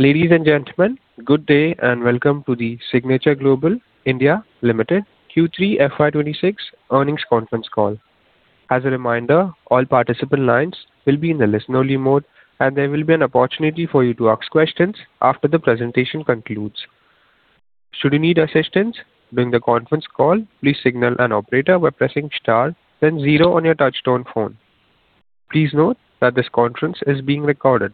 Ladies and gentlemen, good day, and welcome to the Signature Global (India) Limited Q3 FY 2026 earnings conference call. As a reminder, all participant lines will be in the listen-only mode, and there will be an opportunity for you to ask questions after the presentation concludes. Should you need assistance during the conference call, please signal an operator by pressing star, then zero on your touchtone phone. Please note that this conference is being recorded.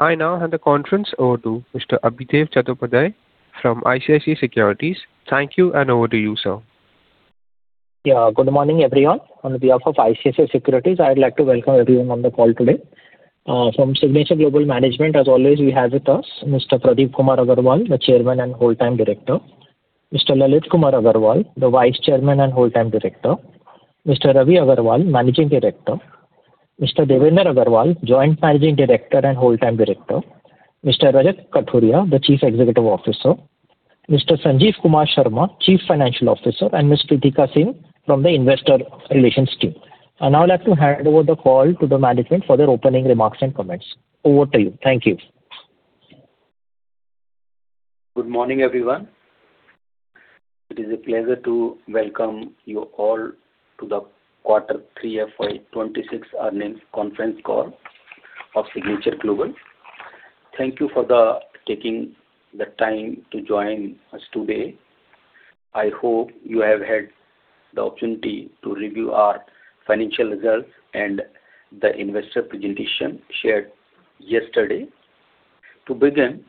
I now hand the conference over to Mr. Adhidev Chattopadhyay from ICICI Securities. Thank you, and over to you, sir. Yeah. Good morning, everyone. On behalf of ICICI Securities, I'd like to welcome everyone on the call today. From Signature Global management, as always, we have with us Mr. Pradeep Kumar Aggarwal, the Chairman and Whole-time Director, Mr. Lalit Kumar Aggarwal, the Vice Chairman and Whole-time Director, Mr. Ravi Aggarwal, Managing Director, Mr. Devender Aggarwal, Joint Managing Director and Whole-time Director, Mr. Rajat Kathuria, the Chief Executive Officer, Mr. Sanjeev Kumar Sharma, Chief Financial Officer, and Ms. Preetika Singh from the Investor Relations team. I'd now like to hand over the call to the management for their opening remarks and comments. Over to you. Thank you. Good morning, everyone. It is a pleasure to welcome you all to the quarter three FY 2026 earnings conference call of Signature Global. Thank you for taking the time to join us today. I hope you have had the opportunity to review our financial results and the investor presentation shared yesterday. To begin,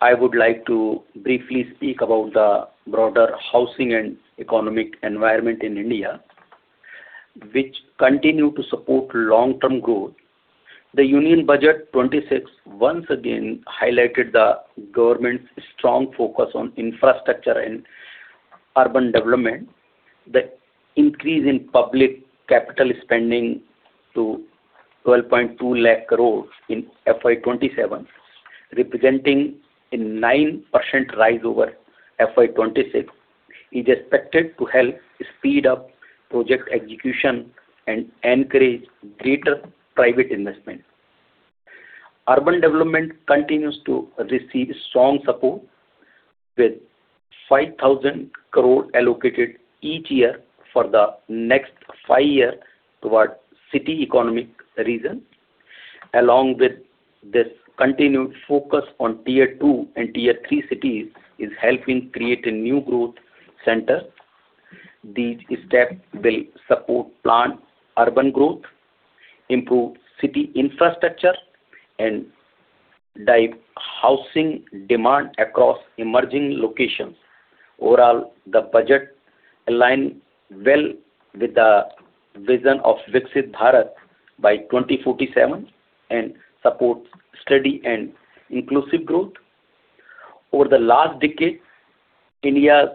I would like to briefly speak about the broader housing and economic environment in India, which continue to support long-term growth. The Union Budget 2026 once again highlighted the government's strong focus on infrastructure and urban development. The increase in public capital spending to 1.2 lakh crore in FY 2027, representing a 9% rise over FY 2026, is expected to help speed up project execution and encourage greater private investment. Urban development continues to receive strong support, with 5,000 crore allocated each year for the next 5 year toward city economic regions. Along with this continued focus on Tier 2 and Tier 3 cities, is helping create a new growth center. These steps will support planned urban growth, improve city infrastructure, and drive housing demand across emerging locations. Overall, the budget align well with the vision of Viksit Bharat by 2047 and supports steady and inclusive growth. Over the last decade, India's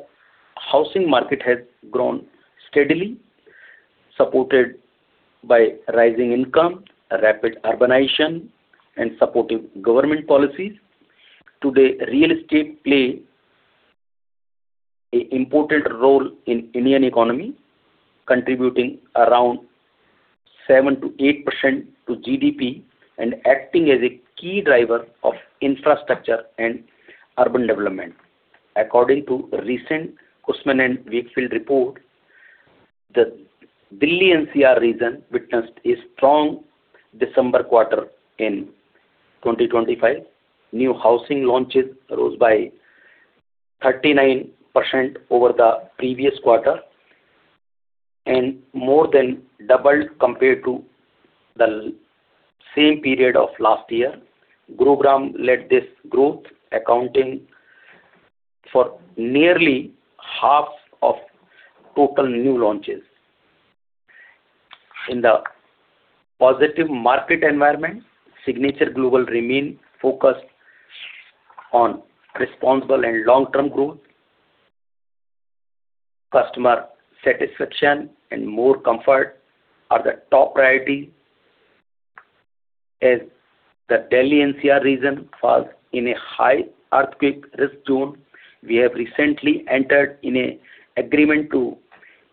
housing market has grown steadily, supported by rising income, rapid urbanization, and supportive government policies. Today, real estate play a important role in Indian economy, contributing around 7%-8% to GDP and acting as a key driver of infrastructure and urban development. According to a recent Cushman & Wakefield report, the Delhi NCR region witnessed a strong December quarter in 2025. New housing launches rose by 39% over the previous quarter and more than doubled compared to the same period of last year. Gurugram led this growth, accounting for nearly half of total new launches. In the positive market environment, Signature Global remains focused on responsible and long-term growth. Customer satisfaction and more comfort are the top priority. As the Delhi NCR region falls in a high earthquake risk zone, we have recently entered in a agreement to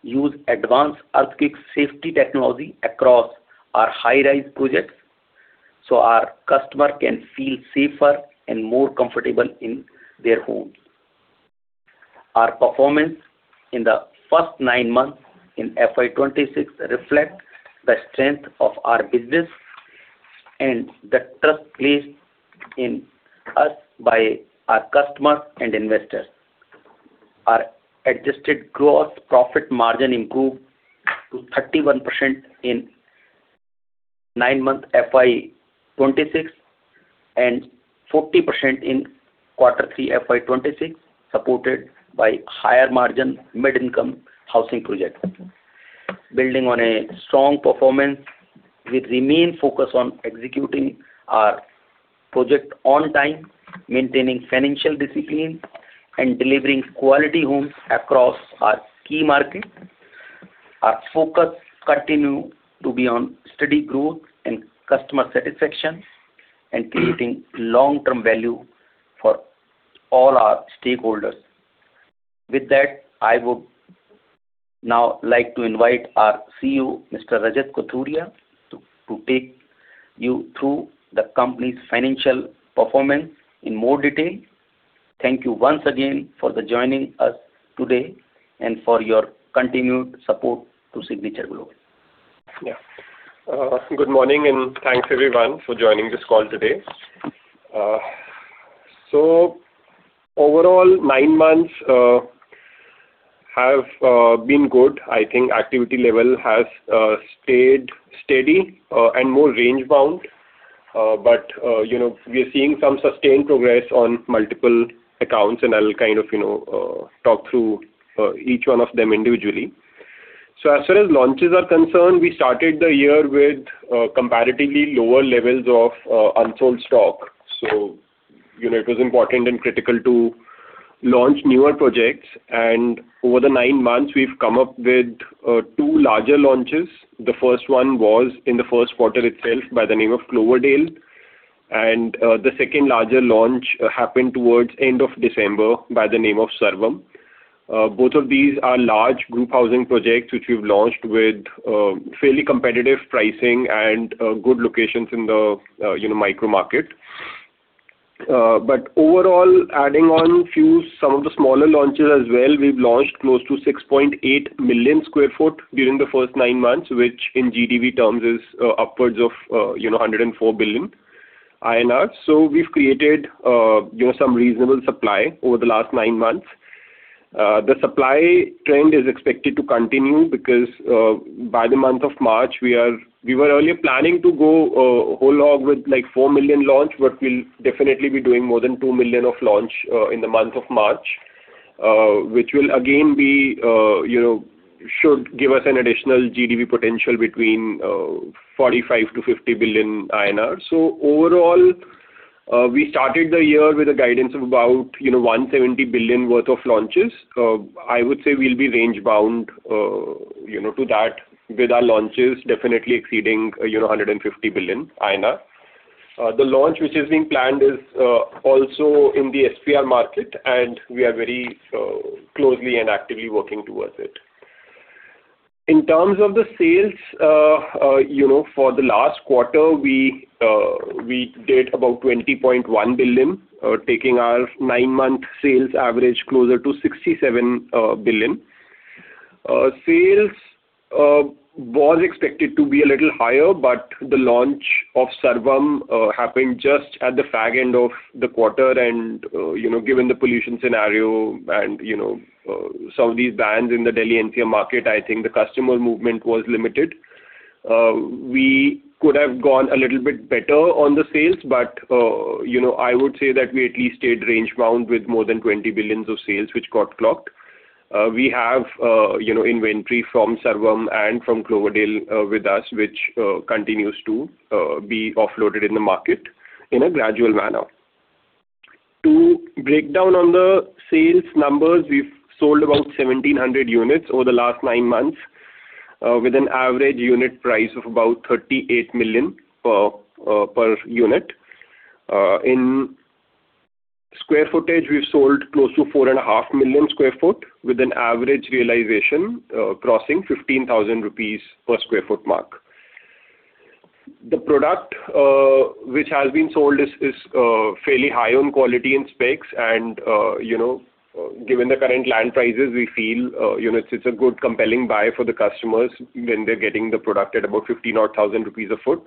use advanced earthquake safety technology across our high-rise projects, so our customer can feel safer and more comfortable in their homes. Our performance in the first nine months in FY 2026 reflects the strength of our business and the trust placed in us by our customers and investors. Our adjusted gross profit margin improved to 31% in nine months FY 2026, and 40% in quarter three FY 2026, supported by higher margin mid-income housing projects. Building on a strong performance, we remain focused on executing our project on time, maintaining financial discipline, and delivering quality homes across our key markets. Our focus continue to be on steady growth and customer satisfaction, and creating long-term value for all our stakeholders. With that, now I'd like to invite our CEO, Mr. Rajat Kathuria, to take you through the company's financial performance in more detail. Thank you once again for joining us today, and for your continued support to Signature Global. Yeah. Good morning, and thanks, everyone, for joining this call today. So overall, nine months have been good. I think activity level has stayed steady and more range-bound. But you know, we are seeing some sustained progress on multiple accounts, and I'll kind of you know talk through each one of them individually. So as far as launches are concerned, we started the year with comparatively lower levels of unsold stock. So, you know, it was important and critical to launch newer projects, and over the nine months, we've come up with two larger launches. The first one was in the first quarter itself, by the name of Cloverdale, and the second larger launch happened towards end of December by the name of Sarvam. Both of these are large group housing projects, which we've launched with fairly competitive pricing and good locations in the, you know, micro market. But overall, adding on some of the smaller launches as well, we've launched close to 6.8 million sq ft during the first nine months, which in GDV terms is upwards of, you know, 104 billion INR. So we've created, you know, some reasonable supply over the last nine months. The supply trend is expected to continue because, by the month of March, we were only planning to go whole hog with, like, 4 million launch, but we'll definitely be doing more than 2 million of launch in the month of March, which will again be, you know, should give us an additional GDV potential between 45 billion-50 billion INR. So overall, we started the year with a guidance of about, you know, 170 billion worth of launches. I would say we'll be range-bound, you know, to that, with our launches definitely exceeding, you know, 150 billion. The launch, which is being planned, is also in the SPR market, and we are very closely and actively working towards it. In terms of the sales, you know, for the last quarter, we did about 20.1 billion, taking our nine-month sales average closer to 67 billion. Sales was expected to be a little higher, but the launch of Sarvam happened just at the fag end of the quarter and, you know, given the pollution scenario and, you know, some of these bans in the Delhi NCR market, I think the customer movement was limited. We could have gone a little bit better on the sales, but, you know, I would say that we at least stayed range-bound with more than 20 billion of sales, which got clocked. We have, you know, inventory from Sarvam and from Cloverdale with us, which continues to be offloaded in the market in a gradual manner. To break down on the sales numbers, we've sold about 1,700 units over the last 9 months, with an average unit price of about 38 million per unit. In square footage, we've sold close to 4.5 million sq ft, with an average realization crossing 15,000 rupees per sq ft mark. The product which has been sold is fairly high on quality and specs, and you know, given the current land prices, we feel you know, it's a good compelling buy for the customers when they're getting the product at about 15,000 odd INR a sq ft.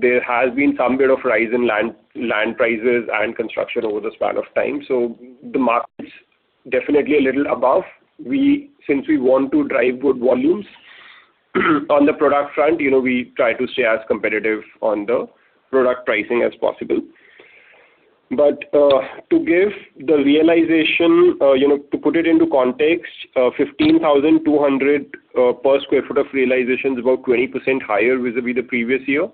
There has been some bit of rise in land prices and construction over the span of time, so the market's definitely a little above. Since we want to drive good volumes, on the product front, you know, we try to stay as competitive on the product pricing as possible. But, to give the realization, you know, to put it into context, 15,200 per sq ft of realization is about 20% higher vis-à-vis the previous year.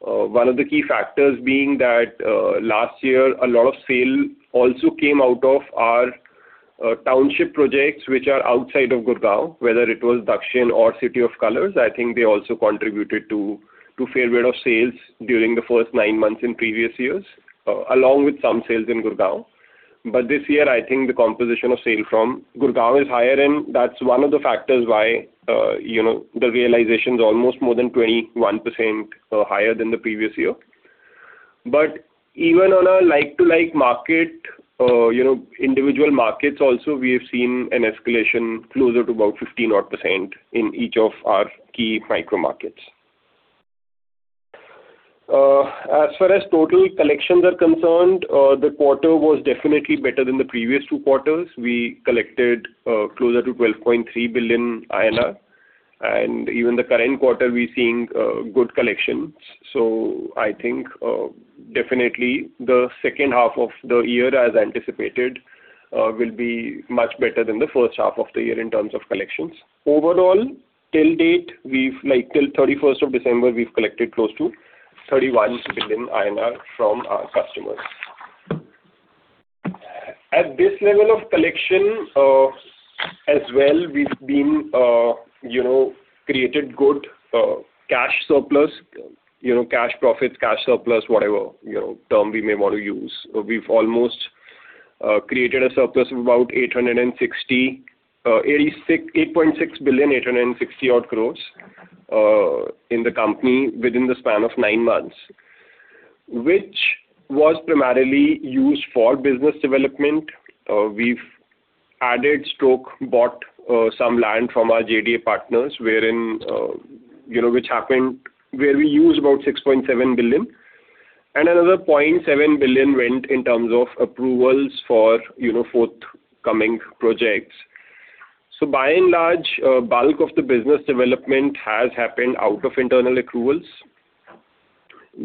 One of the key factors being that, last year, a lot of sale also came out of our township projects, which are outside of Gurugram. Whether it was Daxin or City of Colours, I think they also contributed to, to a fair bit of sales during the first nine months in previous years, along with some sales in Gurugram. But this year, I think the composition of sale from Gurugram is higher, and that's one of the factors why, you know, the realization is almost more than 21%, higher than the previous year. But even on a like-to-like market, you know, individual markets also, we have seen an escalation closer to about 15% odd in each of our key micro markets. As far as total collections are concerned, the quarter was definitely better than the previous two quarters. We collected, closer to 12.3 billion INR, and even the current quarter, we're seeing, good collections. So I think, definitely, the second half of the year, as anticipated, will be much better than the first half of the year in terms of collections. Overall, till date, we've like, till 31st of December, we've collected close to 31 billion INR from our customers. At this level of collection, as well, we've been, you know, created good, cash surplus, you know, cash profits, cash surplus, whatever, you know, term we may want to use. We've almost created a surplus of about 8.6 billion, 860 odd crores, in the company within the span of 9 months, which was primarily used for business development. We've added stock, bought some land from our JDA partners, wherein, you know, which happened where we used about 6.7 billion, and another 0.7 billion went in terms of approvals for, you know, forthcoming projects. So by and large, bulk of the business development has happened out of internal accruals.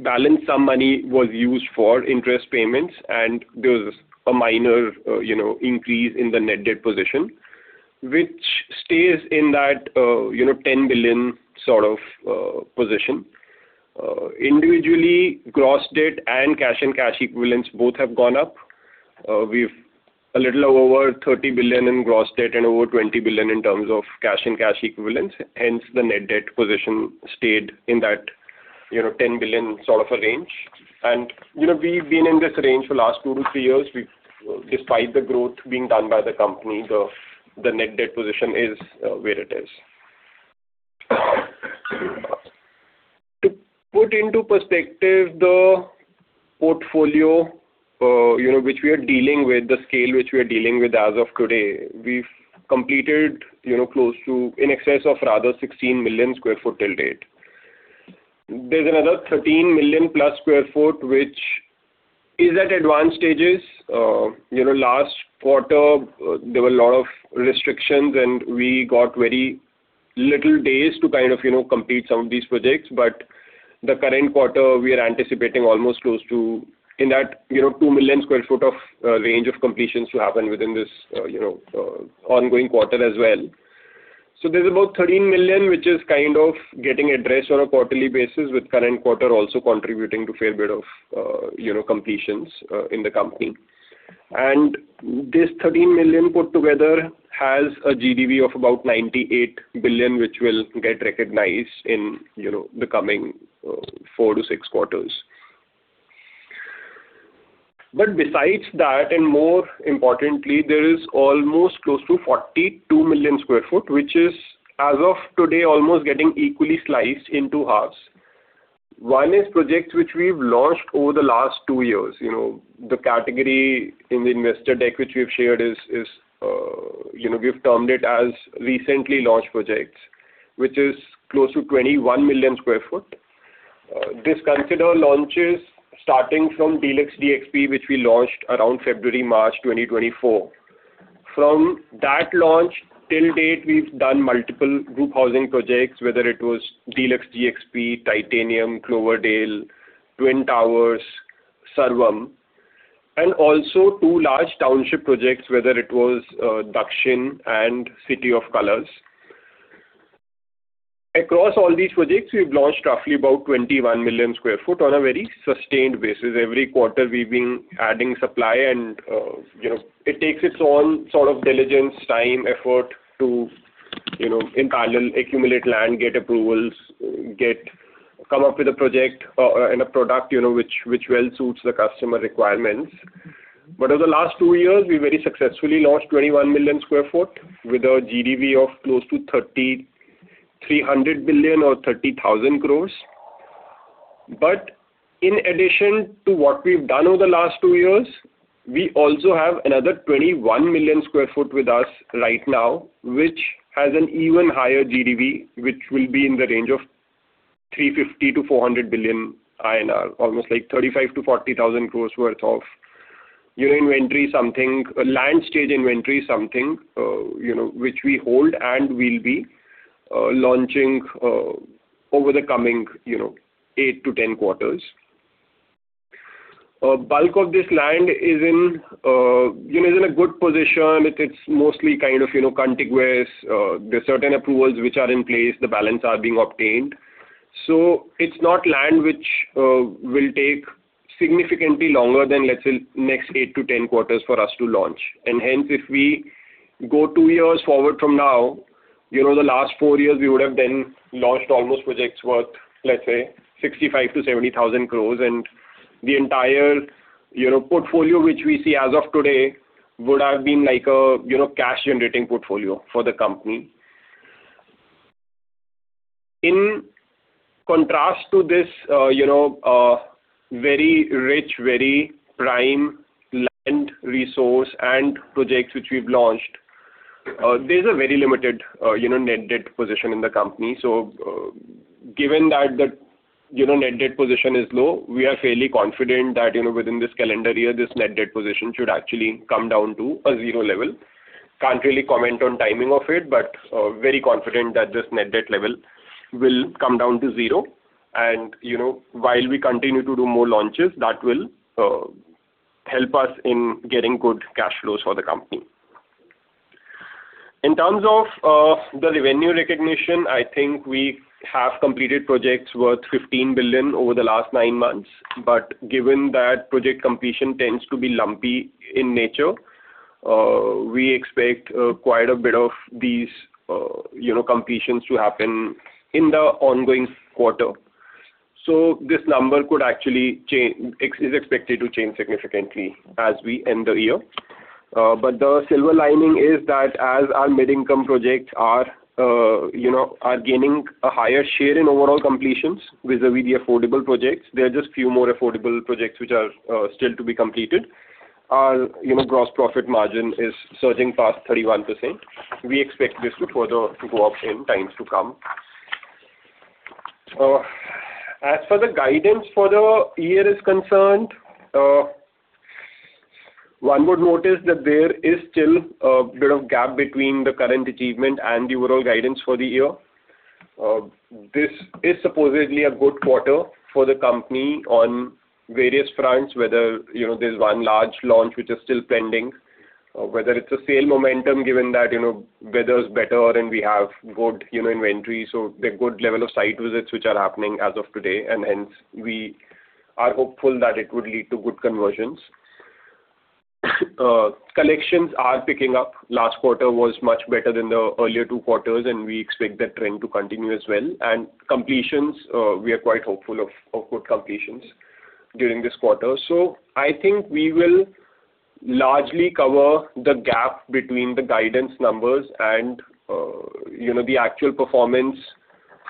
Balance some money was used for interest payments, and there was a minor, you know, increase in the net debt position, which stays in that, you know, 10 billion sort of position. Individually, gross debt and cash and cash equivalents both have gone up. We've a little over 30 billion in gross debt and over 20 billion in terms of cash and cash equivalents, hence, the net debt position stayed in that, you know, 10 billion sort of a range. And, you know, we've been in this range for the last 2 years-3 years. We've despite the growth being done by the company, the net debt position is where it is. To put into perspective the portfolio, you know, which we are dealing with, the scale which we are dealing with as of today, we've completed, you know, close to in excess of rather 16 million sq ft till date. There's another 13+ million sq ft, which is at advanced stages. You know, last quarter, there were a lot of restrictions, and we got very little days to kind of, you know, complete some of these projects. But the current quarter, we are anticipating almost close to in that, you know, 2 million sq ft of range of completions to happen within this, you know, ongoing quarter as well. So there's about 13 million, which is kind of getting addressed on a quarterly basis, with current quarter also contributing to a fair bit of, you know, completions in the company. This 13 million put together has a GDV of about 98 billion, which will get recognized in, you know, the coming, 4-6 quarters. But besides that, and more importantly, there is almost close to 42 million sq ft, which is, as of today, almost getting equally sliced into halves. One is projects which we've launched over the last two years. You know, the category in the investor deck, which we've shared, is, you know, we've termed it as recently launched projects, which is close to 21 million sq ft. This consider launches starting from De Luxe DXP, which we launched around February, March 2024. From that launch, till date, we've done multiple group housing projects, whether it was De Luxe DXP, Titanium, Cloverdale, Twin Towers, Sarvam, and also two large township projects, whether it was, Daxin and City of Colours. Across all these projects, we've launched roughly about 21 million sq ft on a very sustained basis. Every quarter, we've been adding supply and, you know, it takes its own sort of diligence, time, effort to, you know, in parallel, accumulate land, get approvals, come up with a project, and a product, you know, which well suits the customer requirements. But over the last two years, we very successfully launched 21 million sq ft with a GDV of close to 3,300 billion or 30,000 crore. But in addition to what we've done over the last two years, we also have another 21 million sq ft with us right now, which has an even higher GDV, which will be in the range of 350 billion-400 billion INR, almost like 35,000 crore-40,000 crore worth of your inventory something, land stage inventory something, you know, which we hold and will be launching over the coming, you know, 8-10 quarters. Bulk of this land is in, you know, is in a good position. It's, it's mostly kind of, you know, contiguous. There are certain approvals which are in place, the balance are being obtained. So it's not land which will take significantly longer than, let's say, next 8-10 quarters for us to launch. Hence, if we go 2 years forward from now, you know, the last 4 years, we would have then launched almost projects worth, let's say, 65,000 crore-70,000 crore, and the entire, you know, portfolio, which we see as of today, would have been like a, you know, cash-generating portfolio for the company. In contrast to this, you know, very rich, very prime land resource and projects which we've launched, there's a very limited, you know, net debt position in the company. So, given that the, you know, net debt position is low, we are fairly confident that, you know, within this calendar year, this net debt position should actually come down to a 0 level. Can't really comment on timing of it, but, very confident that this net debt level will come down to 0. You know, while we continue to do more launches, that will help us in getting good cash flows for the company. In terms of the revenue recognition, I think we have completed projects worth 15 billion over the last nine months, but given that project completion tends to be lumpy in nature, we expect quite a bit of these, you know, completions to happen in the ongoing quarter. So this number could actually change, is expected to change significantly as we end the year. But the silver lining is that as our mid-income projects are, you know, are gaining a higher share in overall completions vis-à-vis the affordable projects, there are just few more affordable projects which are still to be completed. Our, you know, gross profit margin is surging past 31%. We expect this to further to go up in times to come. As for the guidance for the year is concerned, one would notice that there is still a bit of gap between the current achievement and the overall guidance for the year. This is supposedly a good quarter for the company on various fronts, whether, you know, there's one large launch which is still pending, whether it's a sale momentum, given that, you know, weather is better and we have good, you know, inventory. So there are good level of site visits which are happening as of today, and hence we are hopeful that it would lead to good conversions. Collections are picking up. Last quarter was much better than the earlier two quarters, and we expect that trend to continue as well. And completions, we are quite hopeful of good completions during this quarter. So I think we will largely cover the gap between the guidance numbers and, you know, the actual performance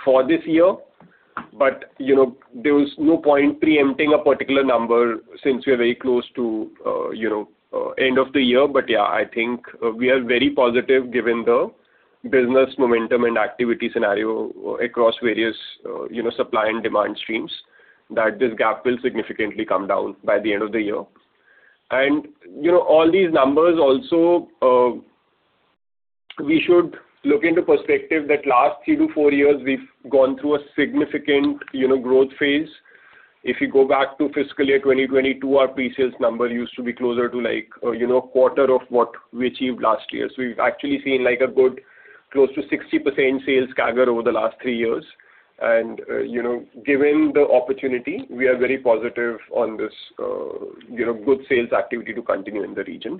for this year. But, you know, there is no point preempting a particular number since we are very close to, you know, end of the year. But, yeah, I think, we are very positive given the business momentum and activity scenario across various, you know, supply and demand streams, that this gap will significantly come down by the end of the year. And, you know, all these numbers also, we should look into perspective that last three to four years, we've gone through a significant, you know, growth phase. If you go back to fiscal year 2022, our pre-sales number used to be closer to like, you know, a quarter of what we achieved last year. So we've actually seen like a good close to 60% sales CAGR over the last three years. And, you know, given the opportunity, we are very positive on this, you know, good sales activity to continue in the region.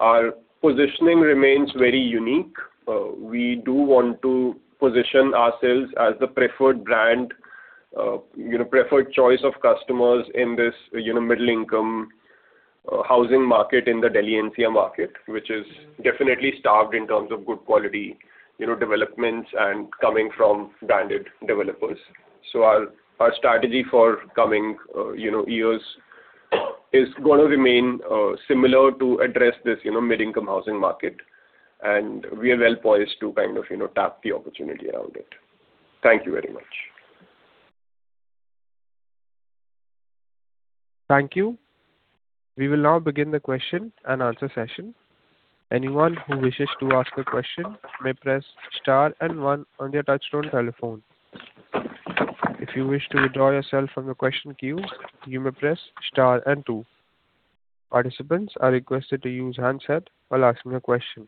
Our positioning remains very unique. We do want to position ourselves as the preferred brand, you know, preferred choice of customers in this, you know, middle-income housing market in the Delhi NCR market, which is definitely starved in terms of good quality, you know, developments and coming from branded developers. So our strategy for coming, you know, years, is gonna remain, similar to address this, you know, mid-income housing market. We are well poised to kind of, you know, tap the opportunity around it. Thank you very much. Thank you. We will now begin the question-and-answer session. Anyone who wishes to ask a question may press star and one on their touch-tone telephone. If you wish to withdraw yourself from the question queue, you may press star and two. Participants are requested to use handset while asking a question.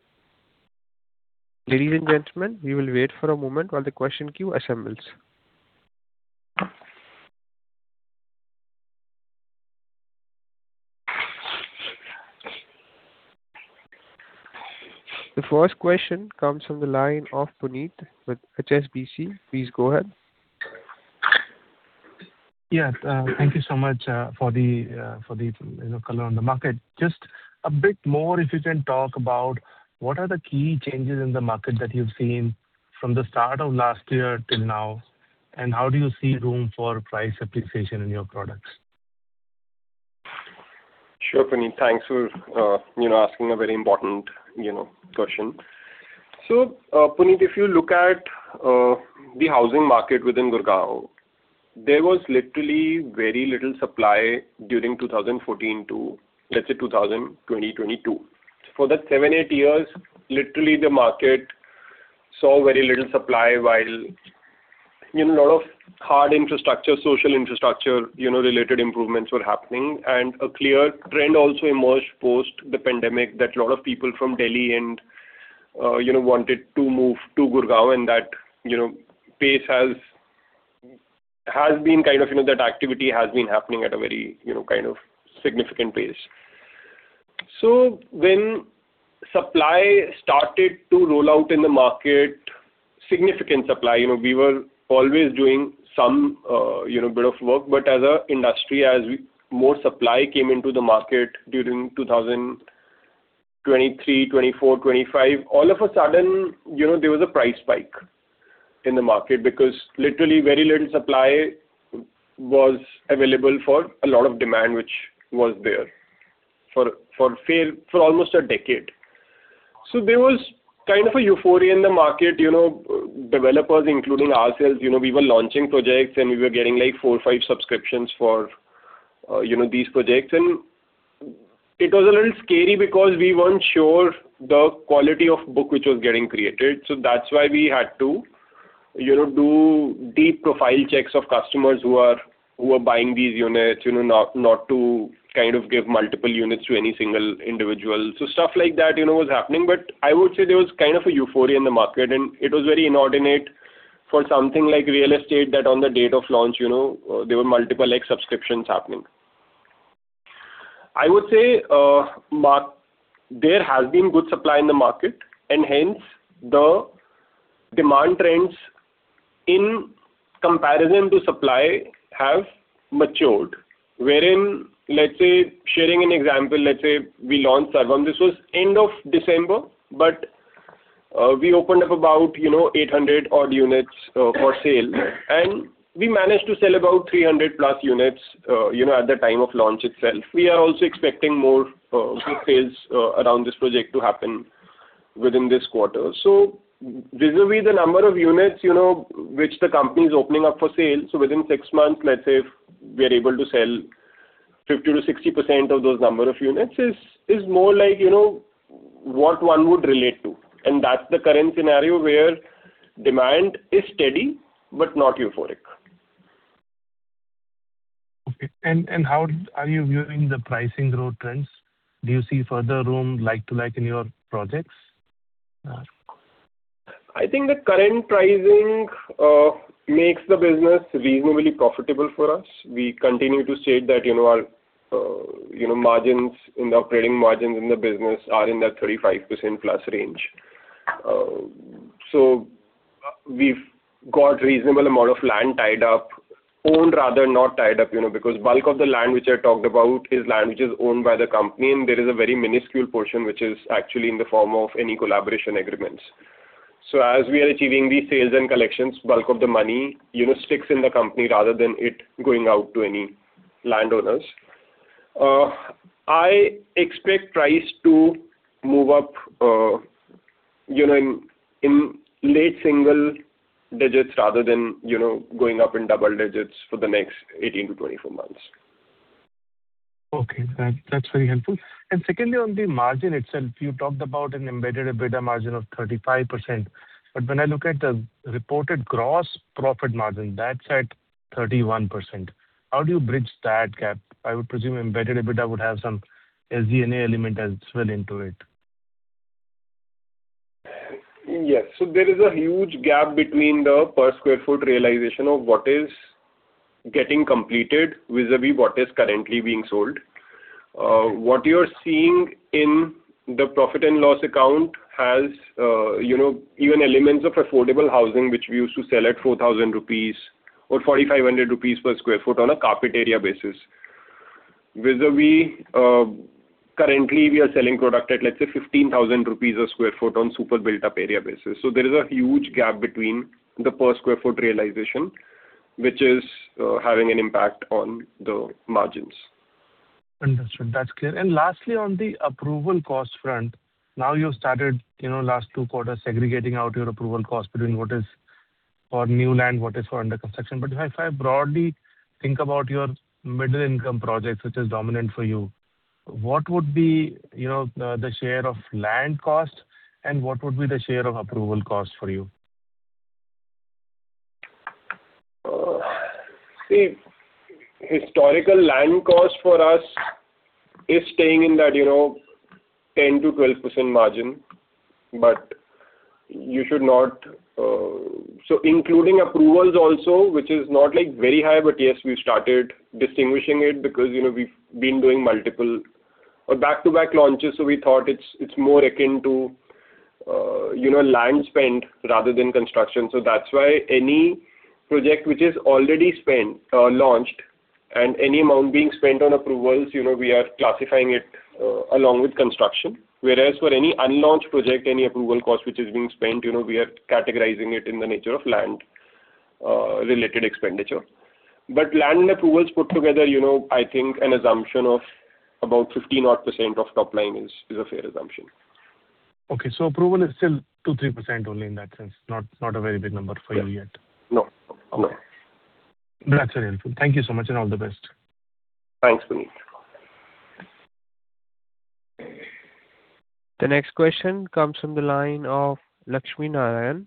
Ladies and gentlemen, we will wait for a moment while the question queue assembles. The first question comes from the line of Puneet with HSBC. Please go ahead. Yeah, thank you so much, for the, for the, you know, color on the market. Just a bit more, if you can talk about what are the key changes in the market that you've seen from the start of last year till now, and how do you see room for price appreciation in your products? Sure, Puneet. Thanks for, you know, asking a very important, you know, question. So, Puneet, if you look at the housing market within Gurugram, there was literally very little supply during 2014 to, let's say, 2022. For that 7 years-8 years, literally the market saw very little supply while, you know, a lot of hard infrastructure, social infrastructure, you know, related improvements were happening. And a clear trend also emerged post the pandemic, that a lot of people from Delhi and, you know, wanted to move to Gurugram. And that, you know, pace has been kind of, you know, that activity has been happening at a very, you know, kind of significant pace. So when supply started to roll out in the market, significant supply, you know, we were always doing some, you know, bit of work. But as an industry, more supply came into the market during 2023, 2024, 2025, all of a sudden, you know, there was a price spike in the market because literally very little supply was available for a lot of demand, which was there for almost a decade. So there was kind of a euphoria in the market, you know, developers, including ourselves, you know, we were launching projects, and we were getting, like, four or five subscriptions for, you know, these projects. And it was a little scary because we weren't sure the quality of book which was getting created. So that's why we had to, you know, do deep profile checks of customers who are buying these units, you know, not to kind of give multiple units to any single individual. So stuff like that, you know, was happening. But I would say there was kind of a euphoria in the market, and it was very inordinate for something like real estate, that on the date of launch, you know, there were multiple, like, subscriptions happening. I would say, there has been good supply in the market, and hence, the demand trends in comparison to supply have matured. Wherein, let's say, sharing an example, let's say we launched Sarvam. This was end of December, but, we opened up about, you know, 800 units for sale. And we managed to sell about 300+ units, you know, at the time of launch itself. We are also expecting more good sales around this project to happen within this quarter. So vis-à-vis the number of units, you know, which the company is opening up for sale, so within six months, let's say, if we are able to sell 50%-60% of those number of units, is, is more like, you know, what one would relate to. And that's the current scenario where demand is steady, but not euphoric. Okay. How are you viewing the pricing growth trends? Do you see further room like to like in your projects? I think the current pricing makes the business reasonably profitable for us. We continue to state that, you know, our, you know, margins in the operating margins in the business are in that 35%+ range. So we've got reasonable amount of land tied up, owned rather, not tied up, you know, because bulk of the land which I talked about is land which is owned by the company, and there is a very minuscule portion which is actually in the form of any collaboration agreements. So as we are achieving these sales and collections, bulk of the money, you know, sticks in the company rather than it going out to any landowners. I expect price to move up, you know, in, in late single digits rather than, you know, going up in double digits for the next 18 months-24 months. Okay, that's very helpful. Secondly, on the margin itself, you talked about an embedded EBITDA margin of 35%. But when I look at the reported gross profit margin, that's at 31%. How do you bridge that gap? I would presume embedded EBITDA would have some SG&A element as well into it. Yes. So there is a huge gap between the per sq ft realization of what is getting completed vis-à-vis what is currently being sold. What you're seeing in the profit and loss account has, you know, even elements of affordable housing, which we used to sell at 4,000 rupees or 4,500 rupees per sq ft on a carpet area basis. Vis-à-vis, currently we are selling product at, let's say, 15,000 rupees a sq ft on super built-up area basis. So there is a huge gap between the per squar feet realization, which is having an impact on the margins. Understood. That's clear. And lastly, on the approval cost front, now you've started, you know, last two quarters, segregating out your approval cost between what is for new land, what is for under construction. But if I broadly think about your middle income projects, which is dominant for you, what would be, you know, the share of land cost, and what would be the share of approval cost for you? See, historical land cost for us is staying in that, you know, 10%-12% margin. But you should not... So including approvals also, which is not, like, very high, but yes, we started distinguishing it because, you know, we've been doing multiple or back-to-back launches, so we thought it's, it's more akin to, you know, land spend rather than construction. So that's why any project which is already spent, launched, and any amount being spent on approvals, you know, we are classifying it, along with construction. Whereas for any unlaunched project, any approval cost which is being spent, you know, we are categorizing it in the nature of land, related expenditure. But land and approvals put together, you know, I think an assumption of about 15%-odd of top line is, a fair assumption. Okay, so approval is still 2%-3% only in that sense, not, not a very big number for you yet. No. No. Okay. That's very helpful. Thank you so much, and all the best. Thanks, Puneet. The next question comes from the line of Lakshmi Narayan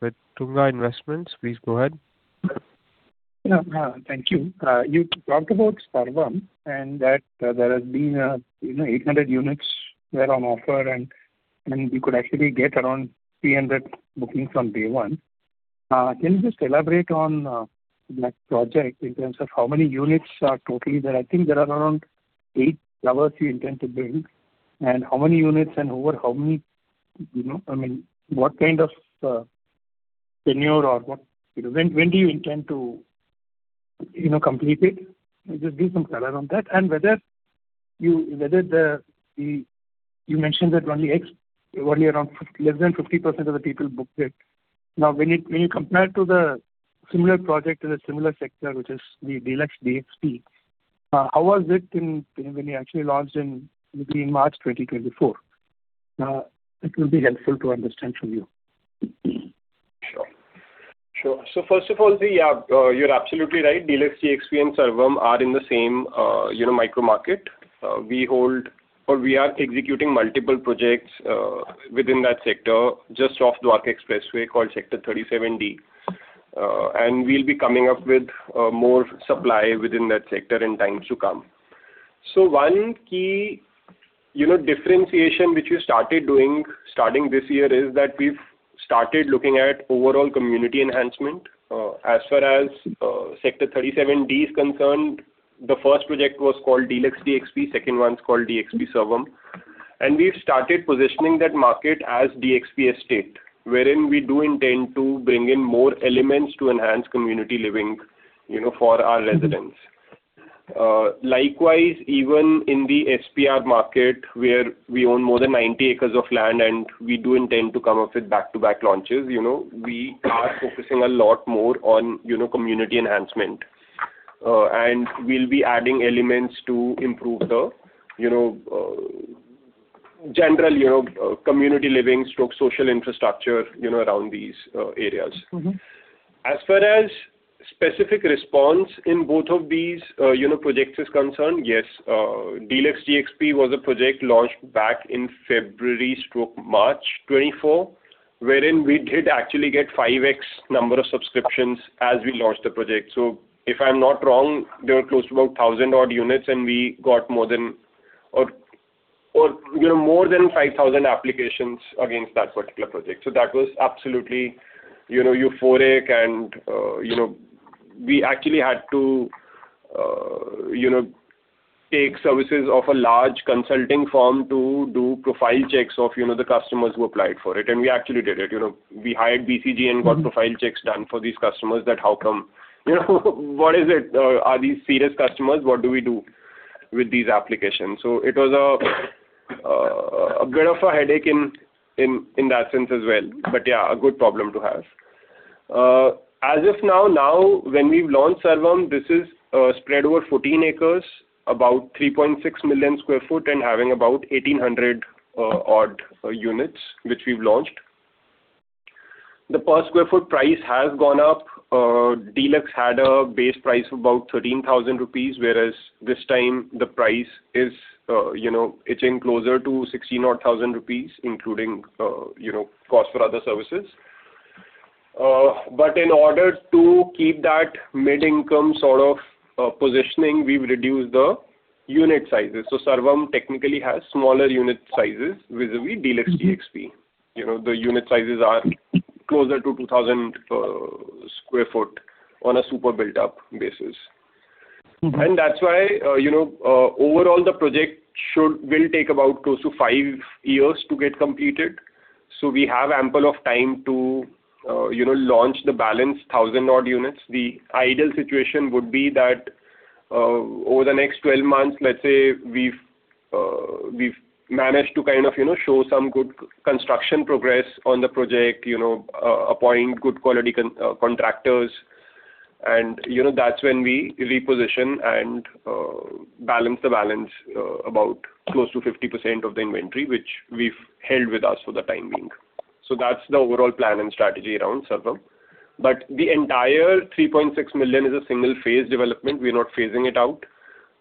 with Tunga Investments. Please go ahead. Yeah. Thank you. You talked about Sarvam, and that there has been, you know, 800 units were on offer, and you could actually get around 300 bookings on day one. Can you just elaborate on that project in terms of how many units are totally there? I think there are around eight towers you intend to build, and how many units and over how many, you know, I mean, what kind of tenure or what? When do you intend to, you know, complete it? Just give some color on that. And whether you, whether the, the. You mentioned that only around 50%-less than 50% of the people booked it. Now, when you, when you compare it to the similar project in a similar sector, which is the De Luxe DXP, how was it in, when you actually launched in, between March 2024? It will be helpful to understand from you. Sure. Sure. So first of all, you're absolutely right. De Luxe DXP and Sarvam are in the same, you know, micro market. We hold or we are executing multiple projects, within that sector, just off Dwarka Expressway, called Sector 37D. And we'll be coming up with, more supply within that sector in times to come... So one key, you know, differentiation which we started doing starting this year, is that we've started looking at overall community enhancement. As far as, Sector 37D is concerned, the first project was called De Luxe DXP, second one is called Sarvam. And we've started positioning that market as DXP Estate, wherein we do intend to bring in more elements to enhance community living, you know, for our residents. Likewise, even in the SPR market, where we own more than 90 ac of land, and we do intend to come up with back-to-back launches, you know, we are focusing a lot more on, you know, community enhancement. And we'll be adding elements to improve the, you know, general, you know, community living/social infrastructure, you know, around these areas. Mm-hmm. As far as specific response in both of these, you know, projects is concerned, yes, De Luxe DXP was a project launched back in February/March 2024, wherein we did actually get 5x number of subscriptions as we launched the project. So if I'm not wrong, there were close to about 1,000-odd units, and we got more than, you know, more than 5,000 applications against that particular project. So that was absolutely, you know, euphoric and, you know, we actually had to, you know, take services of a large consulting firm to do profile checks of, you know, the customers who applied for it. And we actually did it. You know, we hired BCG and got profile checks done for these customers that how come? You know, what is it? Are these serious customers? What do we do with these applications? So it was a bit of a headache in that sense as well. But, yeah, a good problem to have. As of now, when we've launched Sarvam, this is spread over 14 ac, about 3.6 million sq ft, and having about 1,800 odd units, which we've launched. The per square foot price has gone up. De Luxe had a base price of about 13,000 rupees, whereas this time the price is, you know, edging closer to 16,000 rupees, including, you know, cost for other services. But in order to keep that mid-income sort of positioning, we've reduced the unit sizes. So Sarvam technically has smaller unit sizes, vis-à-vis De Luxe DXP. Mm-hmm. You know, the unit sizes are closer to 2000 sq ft on a super built-up basis. Mm-hmm. And that's why, you know, overall, the project will take about close to five years to get completed. So we have ample of time to, you know, launch the balance 1,000-odd units. The ideal situation would be that, over the next 12 months, let's say, we've managed to kind of, you know, show some good construction progress on the project, you know, appoint good quality contractors, and, you know, that's when we reposition and balance the balance, about close to 50% of the inventory, which we've held with us for the time being. So that's the overall plan and strategy around Sarvam. But the entire 3.6 million is a single phase development. We're not phasing it out.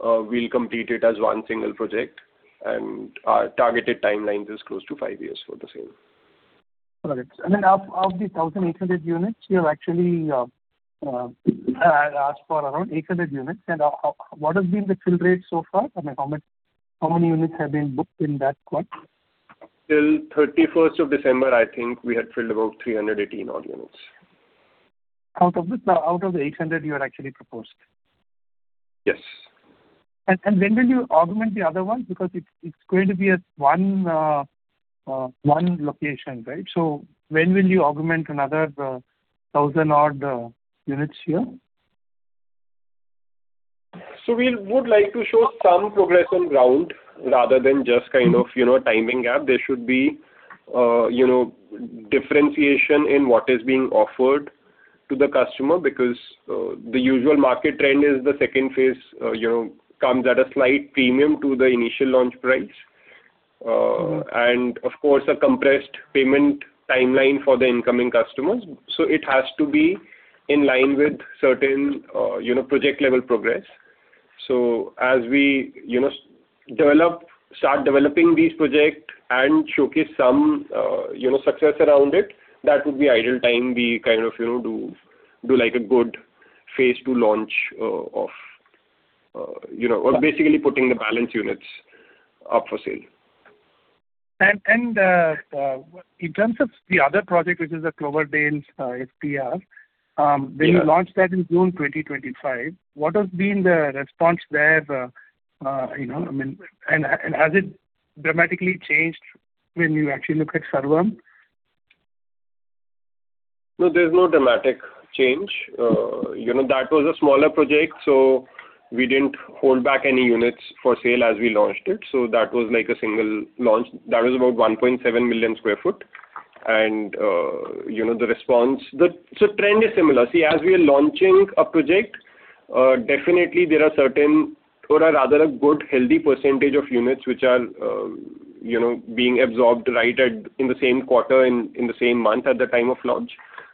We'll complete it as one single project, and our targeted timelines is close to five years for the same. Got it. And then of the 1,800 units, you have actually asked for around 800 units. And, what has been the fill rate so far? I mean, how many units have been booked in that quad? Till thirty-first of December, I think we had filled about 318 odd units. Out of the 800 you had actually proposed? Yes. And when will you augment the other one? Because it's going to be a one, one location, right? So when will you augment another 1,000-odd units here? So we would like to show some progress on ground rather than just kind of, you know, timing gap. There should be, you know, differentiation in what is being offered to the customer, because the usual market trend is the second phase, you know, comes at a slight premium to the initial launch price. Mm-hmm. And of course, a compressed payment timeline for the incoming customers. So it has to be in line with certain, you know, project level progress. So as we, you know, start developing these project and showcase some, you know, success around it, that would be ideal time, we kind of, you know, do like a good phase to launch, of, you know- Yeah. or basically putting the balance units up for sale. In terms of the other project, which is the Cloverdale, SPR- Yeah. When you launched that in June 2025, what has been the response there, you know? I mean, and has it dramatically changed when you actually looked at Sarvam? No, there's no dramatic change. You know, that was a smaller project, so we didn't hold back any units for sale as we launched it. So that was like a single launch. That was about 1.7 million sq ft. And, you know, the response—the. So trend is similar. See, as we are launching a project, definitely there are certain or a rather a good healthy percentage of units which are, you know, being absorbed right at, in the same quarter, in the same month at the time of launch.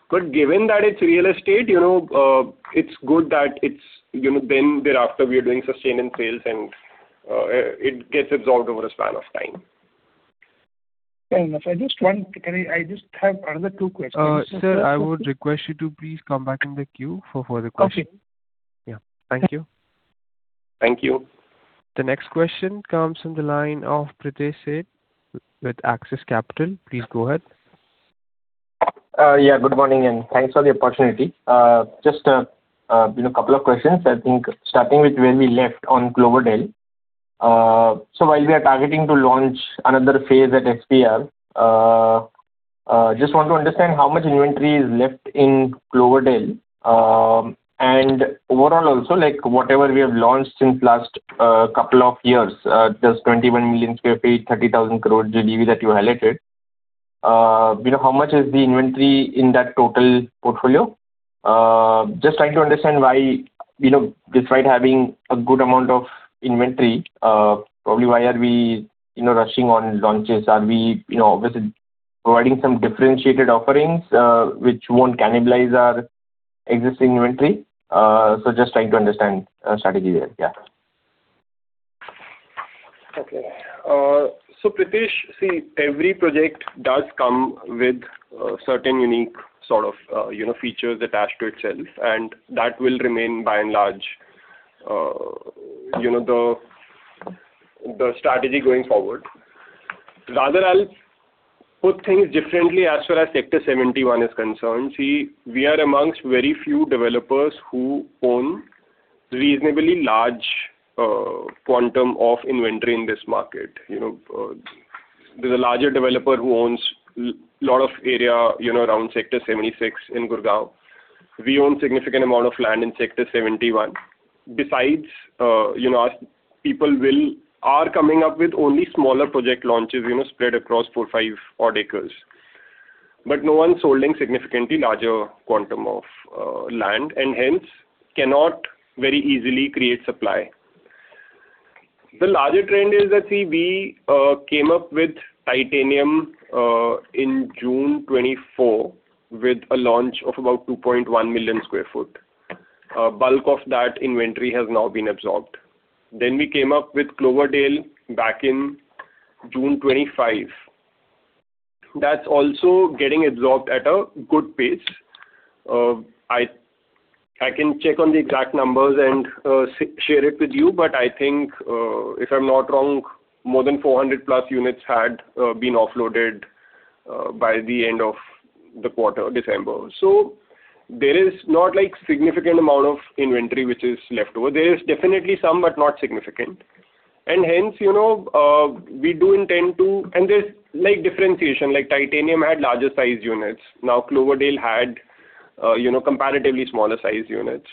But given that it's real estate, you know, it's good that it's, you know, then thereafter, we are doing sustainable sales and, it gets absorbed over a span of time. Fair enough. I just want, can I just have another two questions. Sir, I would request you to please come back in the queue for further questions. Okay. Yeah. Thank you. Thank you. The next question comes from the line of Pritesh Sheth with Axis Capital. Please go ahead. Yeah, good morning, and thanks for the opportunity. Just, you know, a couple of questions, I think starting with where we left on Cloverdale. So while we are targeting to launch another phase at SPR, just want to understand how much inventory is left in Cloverdale. And overall also, like, whatever we have launched since last couple of years, just 21 million sq ft, 30,000 crore GDV that you highlighted. You know, how much is the inventory in that total portfolio? Just trying to understand why, you know, despite having a good amount of inventory, probably why are we, you know, rushing on launches? Are we, you know, obviously providing some differentiated offerings, which won't cannibalize our existing inventory? So just trying to understand strategy there. Yeah. Okay. So, Pritesh, see, every project does come with certain unique sort of, you know, features attached to itself, and that will remain by and large, you know, the strategy going forward. Rather, I'll put things differently as far as Sector 71 is concerned. See, we are amongst very few developers who own reasonably large quantum of inventory in this market. You know, there's a larger developer who owns lot of area, you know, around Sector 76 in Gurugram. We own significant amount of land in Sector 71. Besides, you know, as people are coming up with only smaller project launches, you know, spread across 4, 5 odd acres. But no one's holding significantly larger quantum of land, and hence, cannot very easily create supply. The larger trend is that, see, we came up with Titanium in June 2024, with a launch of about 2.1 million sq ft. Bulk of that inventory has now been absorbed. Then we came up with Cloverdale back in June 2025. That's also getting absorbed at a good pace. I can check on the exact numbers and share it with you, but I think, if I'm not wrong, more than 400+ units had been offloaded by the end of the quarter, December. So there is not, like, significant amount of inventory which is left over. There is definitely some, but not significant. And hence, you know, we do intend to. And there's, like, differentiation, like Titanium had larger sized units. Now, Cloverdale had, you know, comparatively smaller sized units.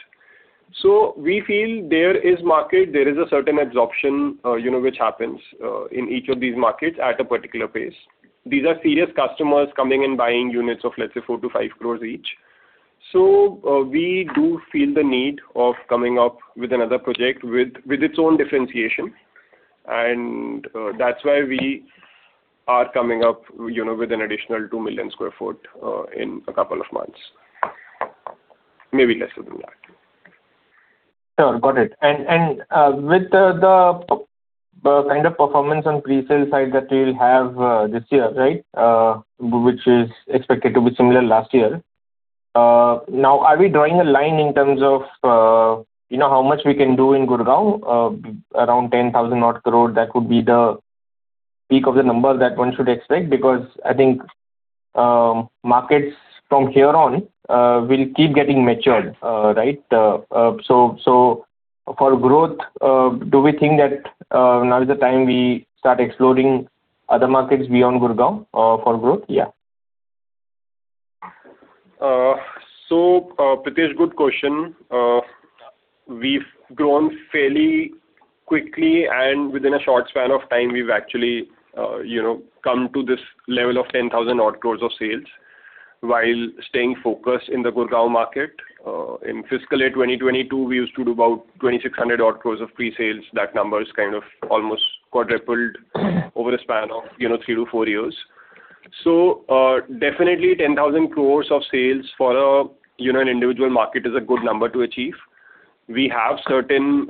So we feel there is market, there is a certain absorption, you know, which happens in each of these markets at a particular pace. These are serious customers coming and buying units of, let's say, 4 crore-5 crore each. So, we do feel the need of coming up with another project with, with its own differentiation, and, that's why we are coming up, you know, with an additional 2 million sq ft in a couple of months. Maybe lesser than that. Sure, got it. And, with the kind of performance on pre-sale side that we'll have, this year, right, which is expected to be similar last year, now, are we drawing a line in terms of, you know, how much we can do in Gurugram? Around 10,000 crore, that would be the peak of the number that one should expect, because I think, markets from here on, will keep getting matured, right? So, for growth, do we think that, now is the time we start exploring other markets beyond Gurugram, for growth? Yeah. So, Pritesh, good question. We've grown fairly quickly, and within a short span of time, we've actually, you know, come to this level of 10,000-odd crore of sales, while staying focused in the Gurugram market. In fiscal year 2022, we used to do about 2,600-odd crore of pre-sales. That number is kind of almost quadrupled over a span of, you know, 3 years-4 years. So, definitely 10,000 crore of sales for a, you know, an individual market is a good number to achieve. We have certain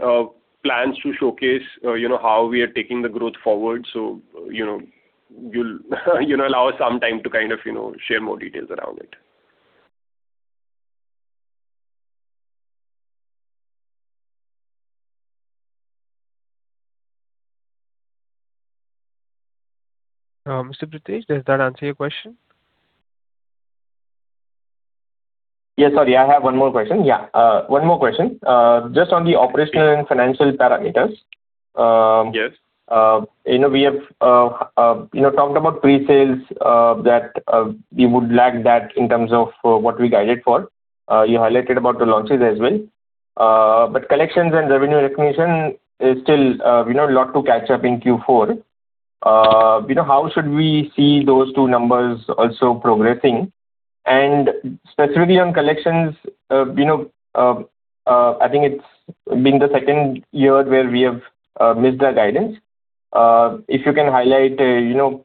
plans to showcase, you know, how we are taking the growth forward. So, you know, you'll, you know, allow us some time to kind of, you know, share more details around it. Mr. Pritesh, does that answer your question? Yes, sorry. I have one more question. Yeah, one more question. Just on the operational and financial parameters. Um, yes. You know, we have, you know, talked about pre-sales, that we would lag that in terms of what we guided for. You highlighted about the launches as well. But collections and revenue recognition is still, we know a lot to catch up in Q4. You know, how should we see those two numbers also progressing? And specifically on collections, you know, I think it's been the second year where we have missed our guidance. If you can highlight, you know,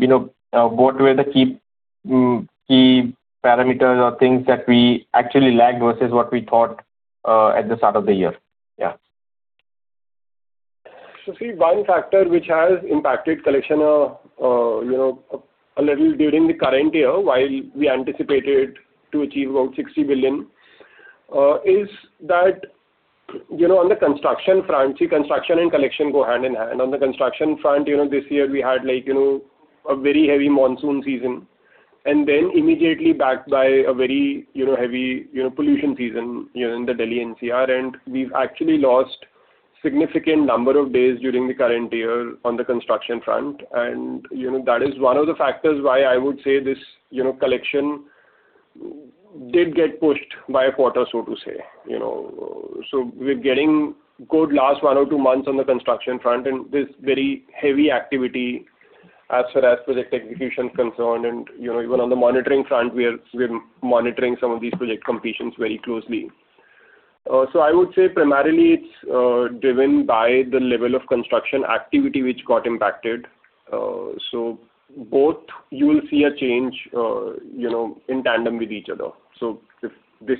you know, what were the key, key parameters or things that we actually lagged versus what we thought at the start of the year? Yeah. ... So see, one factor which has impacted collection, you know, a little during the current year, while we anticipated to achieve about 60 billion, is that, you know, on the construction front, see, construction and collection go hand-in-hand. On the construction front, you know, this year we had like, you know, a very heavy monsoon season, and then immediately backed by a very, you know, heavy, you know, pollution season, you know, in the Delhi NCR. And we've actually lost significant number of days during the current year on the construction front. And, you know, that is one of the factors why I would say this, you know, collection did get pushed by a quarter, so to say, you know. So we're getting good last one or two months on the construction front, and there's very heavy activity as far as project execution is concerned. You know, even on the monitoring front, we're monitoring some of these project completions very closely. So I would say primarily it's driven by the level of construction activity which got impacted. So both you will see a change, you know, in tandem with each other. So if this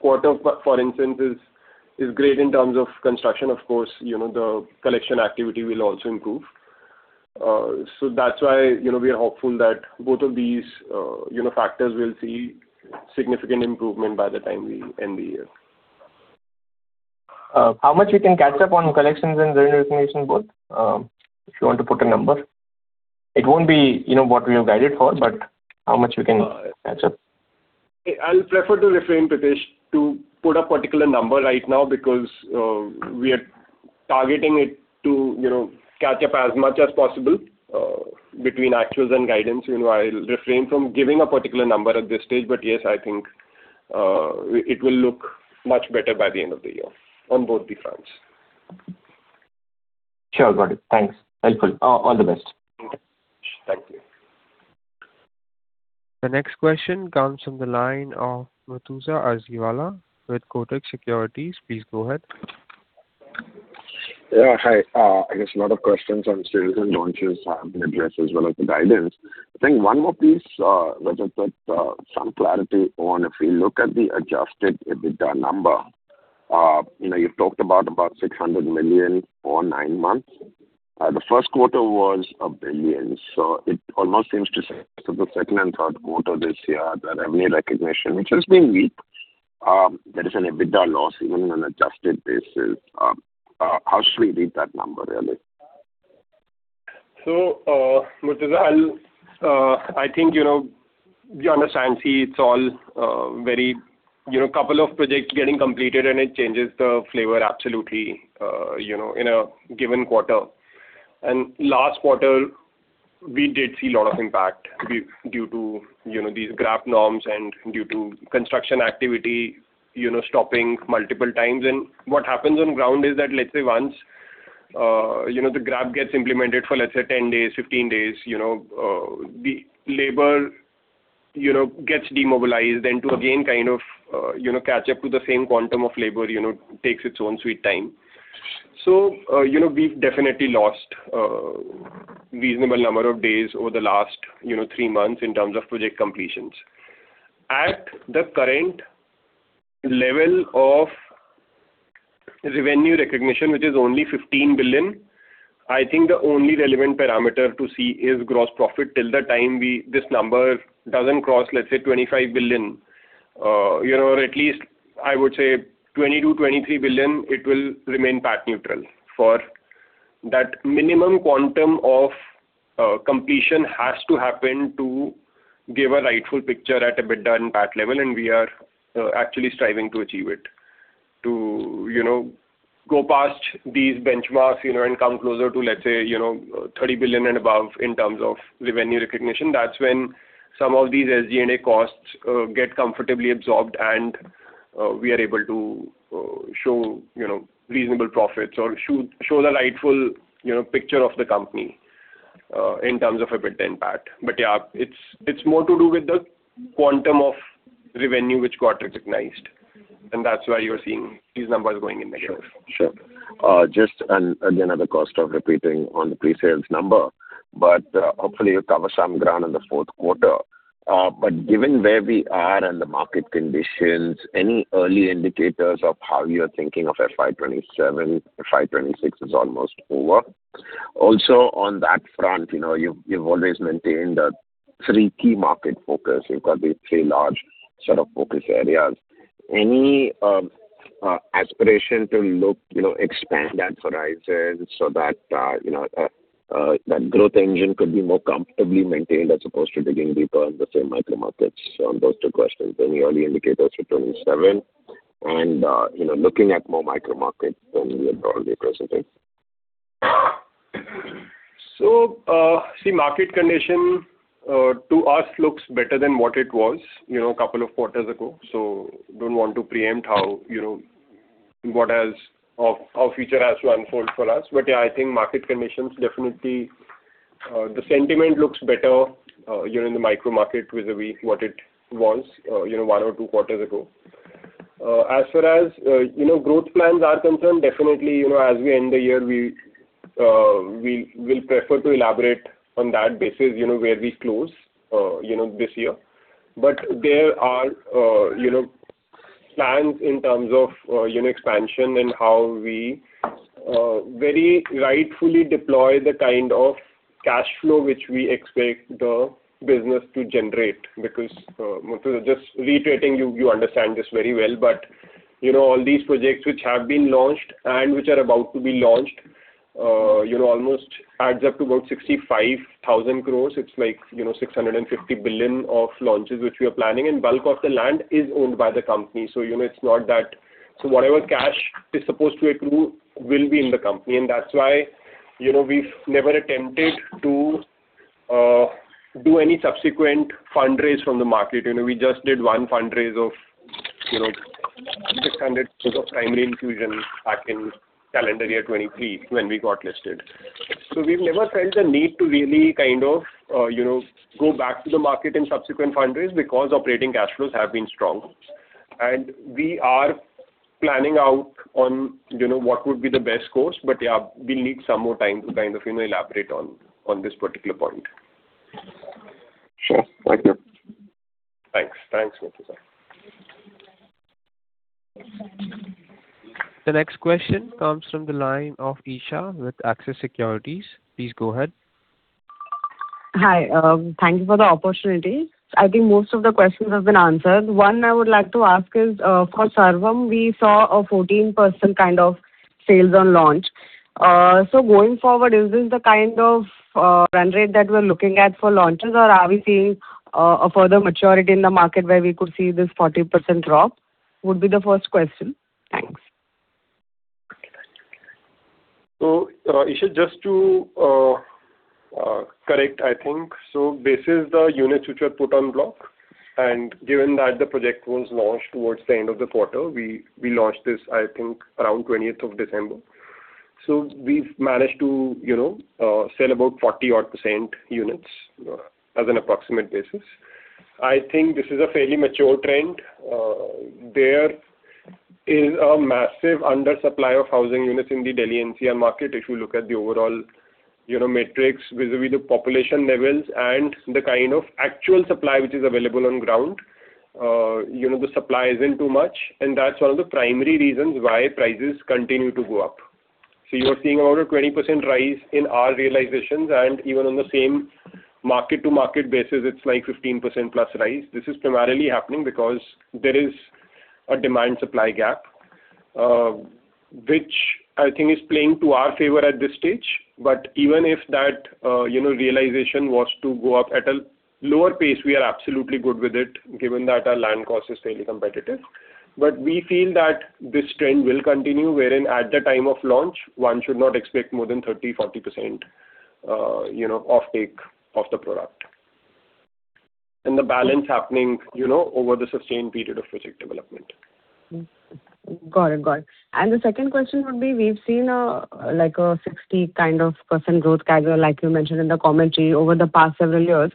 quarter, for instance, is great in terms of construction, of course, you know, the collection activity will also improve. So that's why, you know, we are hopeful that both of these, you know, factors will see significant improvement by the time we end the year. How much you can catch up on collections and revenue recognition, both? If you want to put a number. It won't be, you know, what we have guided for, but how much we can catch up? I, I'll prefer to refrain, Pritesh, to put a particular number right now because we are targeting it to, you know, catch up as much as possible between actuals and guidance. You know, I'll refrain from giving a particular number at this stage, but yes, I think it will look much better by the end of the year on both the fronts. Sure. Got it. Thanks. Helpful. All the best. Thank you. The next question comes from the line of Murtuza Arsiwala with Kotak Securities. Please go ahead. Yeah, hi. I guess a lot of questions on sales and launches have been addressed as well as the guidance. I think one more piece, which I'd put, some clarity on. If we look at the adjusted EBITDA number, you know, you've talked about, about 600 million for nine months. The first quarter was 1 billion, so it almost seems to say that the second and third quarter this year, the revenue recognition, which has been weak, there is an EBITDA loss even on an adjusted basis. How should we read that number, really? So, Murtuza, I'll, I think, you know, you understand, see, it's all, very... You know, a couple of projects getting completed, and it changes the flavor absolutely, you know, in a given quarter. And last quarter, we did see a lot of impact due to, you know, these GRAP norms and due to construction activity, you know, stopping multiple times. And what happens on ground is that, let's say, once, you know, the GRAP gets implemented for, let's say, 10 days, 15 days, you know, the labor, you know, gets demobilized. Then to again, kind of, you know, catch up to the same quantum of labor, you know, takes its own sweet time. So, you know, we've definitely lost, reasonable number of days over the last, you know, 3 months in terms of project completions. At the current level of revenue recognition, which is only 15 billion, I think the only relevant parameter to see is gross profit. Till the time this number doesn't cross, let's say, 25 billion, you know, or at least I would say 22 billion-23 billion, it will remain PAT neutral, for that minimum quantum of completion has to happen to give a rightful picture at EBITDA and PAT level, and we are actually striving to achieve it. To, you know, go past these benchmarks, you know, and come closer to, let's say, you know, 30 billion and above in terms of revenue recognition, that's when some of these SG&A costs get comfortably absorbed, and, we are able to show, you know, reasonable profits or show, show the rightful, you know, picture of the company in terms of EBITDA and PAT. But, yeah, it's, it's more to do with the quantum of revenue which got recognized, and that's why you're seeing these numbers going in the year. Sure. Sure. Just and again, at the cost of repeating on the pre-sales number, but, hopefully you cover some ground in the fourth quarter. But given where we are and the market conditions, any early indicators of how you are thinking of FY 2027? FY 2026 is almost over. Also, on that front, you know, you've always maintained the three key market focus. You've got the three large sort of focus areas. Any aspiration to look, you know, expand that horizon so that, you know, that growth engine could be more comfortably maintained as opposed to digging deeper in the same micro markets? So those two questions, any early indicators for 2027 and, you know, looking at more micro markets than you are broadly present in? So, see, market condition, to us, looks better than what it was, you know, a couple of quarters ago. So don't want to preempt how, you know, what else of our future has to unfold for us. But, yeah, I think market conditions definitely, the sentiment looks better, here in the micro market with the way what it was, you know, one or two quarters ago. As far as, you know, growth plans are concerned, definitely, you know, as we end the year, we, we'll prefer to elaborate on that basis, you know, where we close, you know, this year. But there are, you know, plans in terms of, unit expansion and how we, very rightfully deploy the kind of cash flow which we expect the business to generate. Because, Murtuza, just reiterating, you, you understand this very well, but, you know, all these projects which have been launched and which are about to be launched, you know, almost adds up to about 65,000 crore. It's like, you know, 650 billion of launches, which we are planning, and bulk of the land is owned by the company. So, you know, it's not that. So whatever cash is supposed to accrue will be in the company, and that's why, you know, we've never attempted to do any subsequent fundraise from the market. You know, we just did one fundraise of, you know, 600 crore of primary inclusion back in calendar year 2023 when we got listed. So we've never felt the need to really kind of, you know, go back to the market in subsequent fundraise because operating cash flows have been strong. And we are planning out on, you know, what would be the best course, but, yeah, we'll need some more time to kind of, you know, elaborate on this particular point. Sure. Thank you. Thanks. Thanks, Murtuza. The next question comes from the line of Eesha with Axis Securities. Please go ahead. Hi. Thank you for the opportunity. I think most of the questions have been answered. One I would like to ask is, for Sarvam, we saw a 14% kind of sales on launch. So going forward, is this the kind of, run rate that we're looking at for launches? Or are we seeing, a further maturity in the market where we could see this 40% drop? Would be the first question. Thanks. So, Eesha, just to correct, I think, so this is the units which were put on block, and given that the project was launched towards the end of the quarter, we launched this, I think, around the twentieth of December. So we've managed to, you know, sell about 40%-odd units, as an approximate basis. I think this is a fairly mature trend. There is a massive undersupply of housing units in the Delhi NCR market. If you look at the overall, you know, metrics vis-à-vis the population levels and the kind of actual supply which is available on ground, you know, the supply isn't too much, and that's one of the primary reasons why prices continue to go up. So you're seeing around a 20% rise in our realizations, and even on the same mark-to-market basis, it's like 15%+ rise. This is primarily happening because there is a demand-supply gap, which I think is playing to our favor at this stage. But even if that, you know, realization was to go up at a lower pace, we are absolutely good with it, given that our land cost is fairly competitive. But we feel that this trend will continue, wherein at the time of launch, one should not expect more than 30%-40%, you know, offtake of the product. And the balance happening, you know, over the sustained period of project development. Got it. Got it. And the second question would be, we've seen, like, a 60% growth CAGR, like you mentioned in the commentary, over the past several years.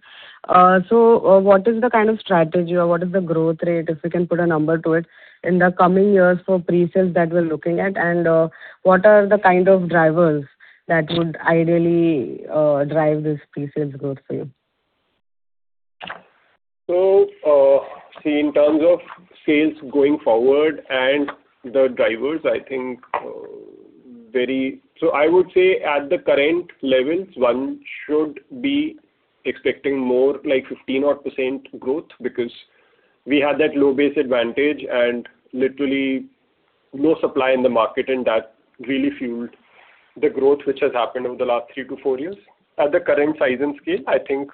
So, what is the kind of strategy or what is the growth rate, if you can put a number to it, in the coming years for pre-sales that we're looking at? And, what are the kind of drivers that would ideally drive this pre-sales growth for you? So, see, in terms of sales going forward and the drivers, I think, So I would say at the current levels, one should be expecting more like 15%-odd growth, because we had that low base advantage and literally no supply in the market, and that really fueled the growth, which has happened over the last 3 years-4 years. At the current size and scale, I think,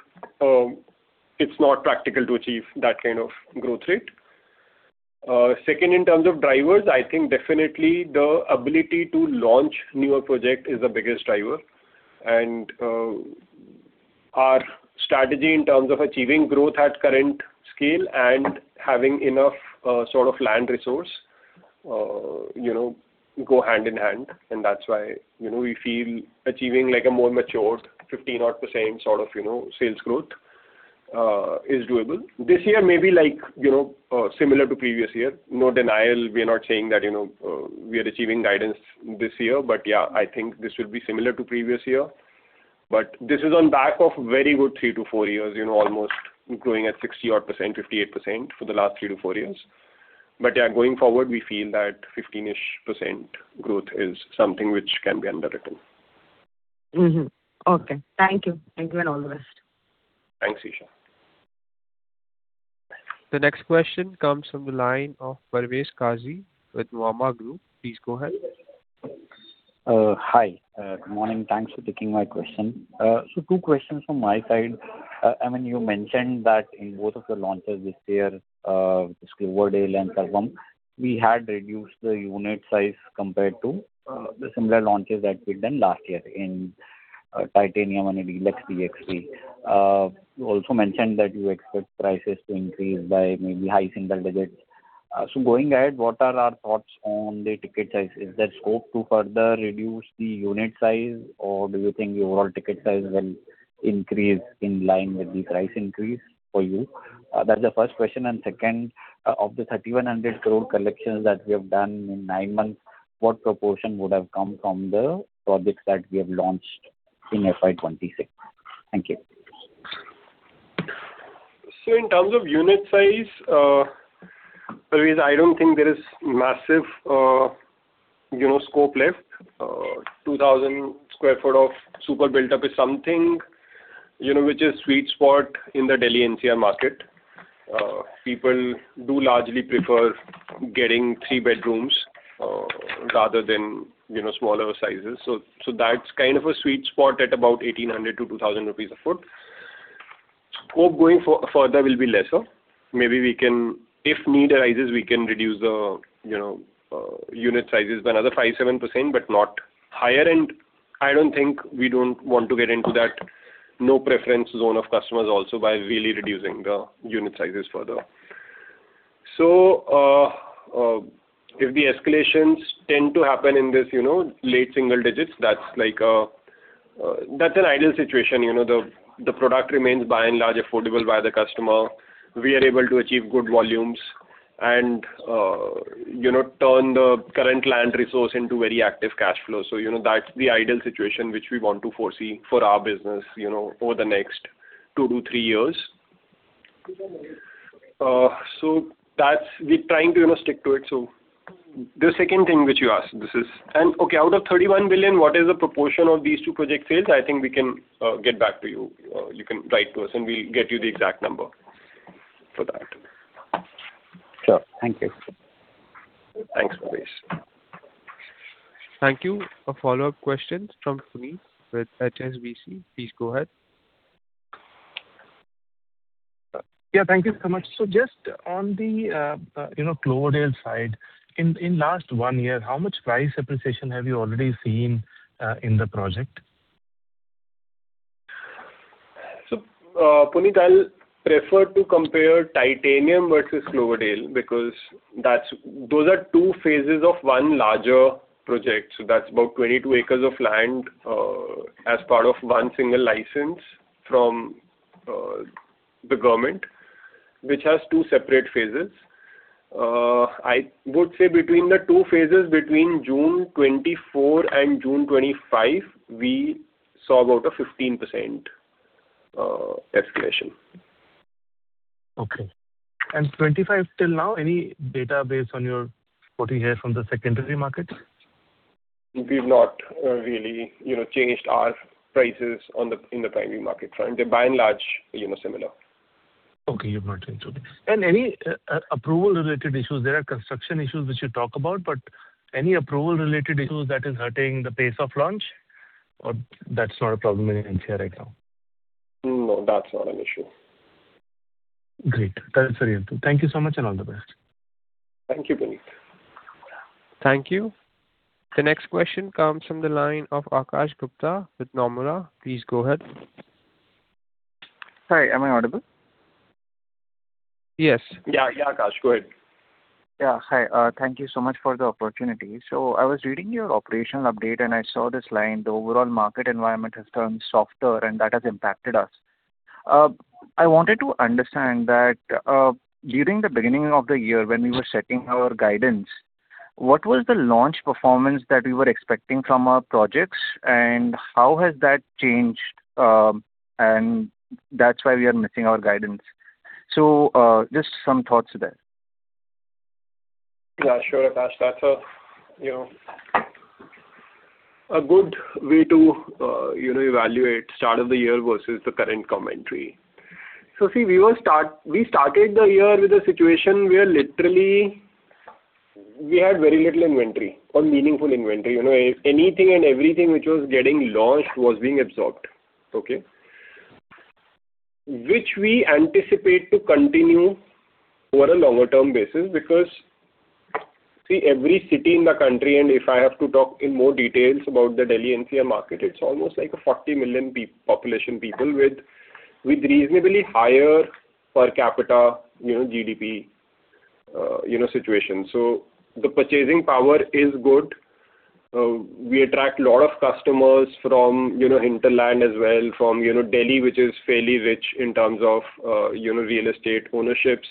it's not practical to achieve that kind of growth rate. Second, in terms of drivers, I think definitely the ability to launch newer project is the biggest driver. Our strategy in terms of achieving growth at current scale and having enough, sort of land resource, you know, go hand in hand, and that's why, you know, we feel achieving like a more matured, 15%-odd sort of, you know, sales growth, is doable. This year may be like, you know, similar to previous year. No denial, we are not saying that, you know, we are achieving guidance this year. Yeah, I think this will be similar to previous year. This is on back of very good 3 years-4 years, you know, almost growing at 60%-odd, 58% for the last 3years-4 years. Yeah, going forward, we feel that 15%-ish growth is something which can be undertaken. Mm-hmm. Okay. Thank you. Thank you, and all the best. Thanks, Eesha. The next question comes from the line of Parvez Qazi with Nuvama Group. Please go ahead. Hi, good morning. Thanks for taking my question. So two questions from my side. I mean, you mentioned that in both of the launches this year, Cloverdale and Sarvam, we had reduced the unit size compared to the similar launches that we've done last year in Titanium and in De Luxe DXP. You also mentioned that you expect prices to increase by maybe high single digits. So going ahead, what are our thoughts on the ticket size? Is there scope to further reduce the unit size, or do you think the overall ticket size will increase in line with the price increase for you? That's the first question. Second, of the 3,100 crore collections that we have done in 9 months, what proportion would have come from the projects that we have launched in FY 2026? Thank you.... So in terms of unit size, always, I don't think there is massive, you know, scope left. 2000 sq ft of super built-up is something, you know, which is sweet spot in the Delhi NCR market. People do largely prefer getting three bedrooms, rather than, you know, smaller sizes. So, so that's kind of a sweet spot at about 1800-2000 rupees a foot. Hope going for further will be lesser. Maybe we can. If need arises, we can reduce the, you know, unit sizes by another 5%-7%, but not higher. And I don't think we don't want to get into that no preference zone of customers also by really reducing the unit sizes further. So, if the escalations tend to happen in this, you know, late single digits, that's like, that's an ideal situation. You know, the product remains by and large, affordable by the customer. We are able to achieve good volumes and, you know, turn the current land resource into very active cash flow. So, you know, that's the ideal situation which we want to foresee for our business, you know, over the next two to three years. So that's... We're trying to, you know, stick to it. So the second thing which you asked, okay, out of 31 billion, what is the proportion of these two project sales? I think we can, get back to you. You can write to us, and we'll get you the exact number for that. Sure. Thank you. Thanks, Parvez. Thank you. A follow-up question from Puneet with HSBC. Please go ahead. Yeah, thank you so much. So just on the Cloverdale side, in last one year, how much price appreciation have you already seen in the project? So, Puneet, I'll prefer to compare Titanium versus Cloverdale, because those are two phases of one larger project. That's about 22 acres of land, as part of one single license from the government, which has two separate phases. I would say between the two phases, between June 2024 and June 2025, we saw about a 15% escalation. Okay. And 25 till now, any data based on your... what you hear from the secondary market? We've not really, you know, changed our prices on the, in the primary market. So they're by and large, you know, similar. Okay, you've not changed them. And any approval-related issues? There are construction issues which you talk about, but any approval-related issues that is hurting the pace of launch, or that's not a problem in NCR right now? No, that's not an issue. Great. That's very helpful. Thank you so much, and all the best. Thank you, Puneet. Thank you. The next question comes from the line of Akash Gupta with Nomura. Please go ahead. Hi, am I audible? Yes. Yeah, yeah, Akash, go ahead. Yeah. Hi, thank you so much for the opportunity. So I was reading your operational update, and I saw this line: "The overall market environment has turned softer, and that has impacted us." I wanted to understand that, during the beginning of the year when we were setting our guidance, what was the launch performance that we were expecting from our projects, and how has that changed, and that's why we are missing our guidance? So, just some thoughts there. Yeah, sure, Akash. That's a, you know, a good way to, evaluate start of the year versus the current commentary. So see, we started the year with a situation where literally we had very little inventory or meaningful inventory. You know, anything and everything which was getting launched was being absorbed. Okay? Which we anticipate to continue over a longer term basis, because, see, every city in the country, and if I have to talk in more details about the Delhi NCR market, it's almost like a 40 million population people with, with reasonably higher per capita, you know, GDP, situation. So the purchasing power is good. We attract a lot of customers from, you know, hinterland as well, from, you know, Delhi, which is fairly rich in terms of, you know, real estate ownerships.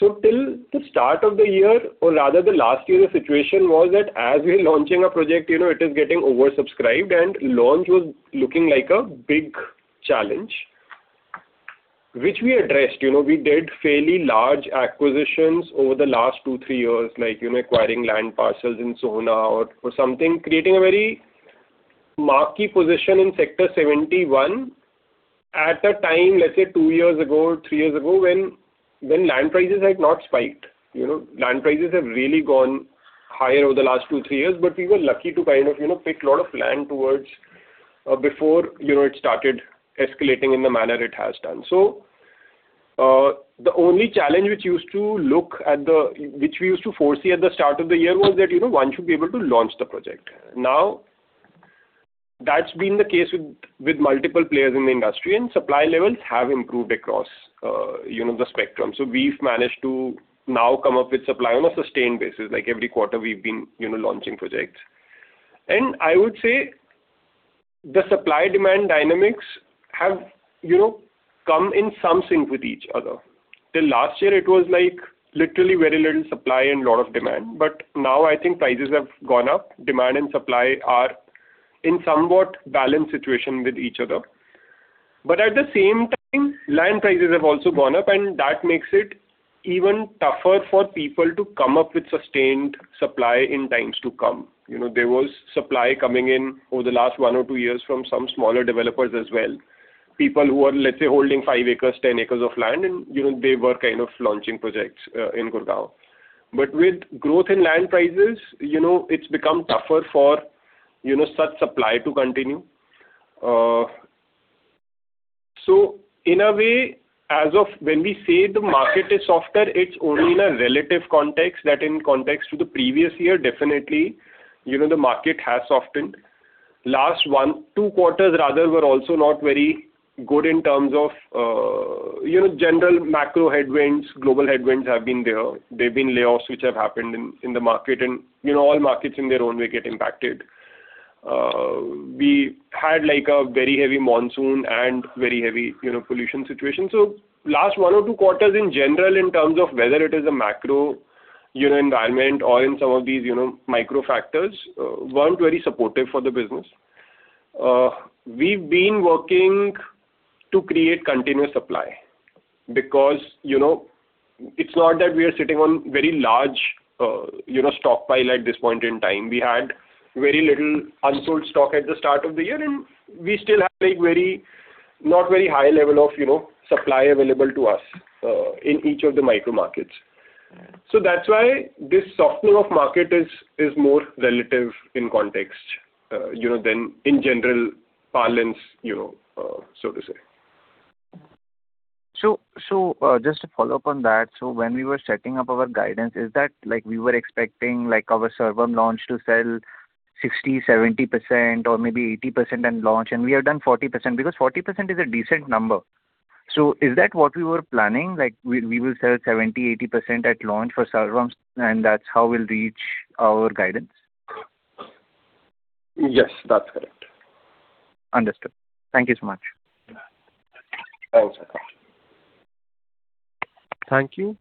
So till the start of the year or rather the last year, the situation was that as we're launching a project, you know, it is getting oversubscribed, and launch was looking like a big challenge, which we addressed. You know, we did fairly large acquisitions over the last 2 years-3 years, like, you know, acquiring land parcels in Sohna or something, creating a very market position in Sector 71. At the time, let's say 2 years ago, 3 years ago, when land prices had not spiked. You know, land prices have really gone higher over the last 2 years-3 years, but we were lucky to kind of, you know, pick a lot of land towards before, you know, it started escalating in the manner it has done. So the only challenge which used to look at the... Which we used to foresee at the start of the year was that, you know, one should be able to launch the project. Now, that's been the case with, with multiple players in the industry, and supply levels have improved across, you know, the spectrum. So we've managed to now come up with supply on a sustained basis. Like, every quarter we've been, you know, launching projects. And I would say the supply-demand dynamics have, you know, come in some sync with each other.... Till last year, it was like literally very little supply and lot of demand, but now I think prices have gone up. Demand and supply are in somewhat balanced situation with each other. But at the same time, land prices have also gone up, and that makes it even tougher for people to come up with sustained supply in times to come. You know, there was supply coming in over the last 1 or 2 years from some smaller developers as well. People who are, let's say, holding 5 ac, 10 ac of land, and, you know, they were kind of launching projects in Gurugram. But with growth in land prices, you know, it's become tougher for, you know, such supply to continue. So in a way, as of when we say the market is softer, it's only in a relative context, that in context to the previous year, definitely, you know, the market has softened. Last 1, 2 quarters rather, were also not very good in terms of, you know, general macro headwinds, global headwinds have been there. There've been layoffs which have happened in the market, and, you know, all markets in their own way get impacted. We had, like, a very heavy monsoon and very heavy, you know, pollution situation. So last one or two quarters in general, in terms of whether it is a macro, you know, environment or in some of these, you know, micro factors, weren't very supportive for the business. We've been working to create continuous supply because, you know, it's not that we are sitting on very large, you know, stockpile at this point in time. We had very little unsold stock at the start of the year, and we still have, like, not very high level of, you know, supply available to us, in each of the micro markets. So that's why this softening of market is more relative in context, you know, than in general parlance, you know, so to say. Just to follow up on that: so when we were setting up our guidance, is that, like, we were expecting, like, our Sarvam launch to sell 60%, 70% or maybe 80% at launch, and we have done 40%, because 40% is a decent number. So is that what we were planning? Like, we, we will sell 70%, 80% at launch for Sarvam, and that's how we'll reach our guidance? Yes, that's correct. Understood. Thank you so much. Thanks. Thank you.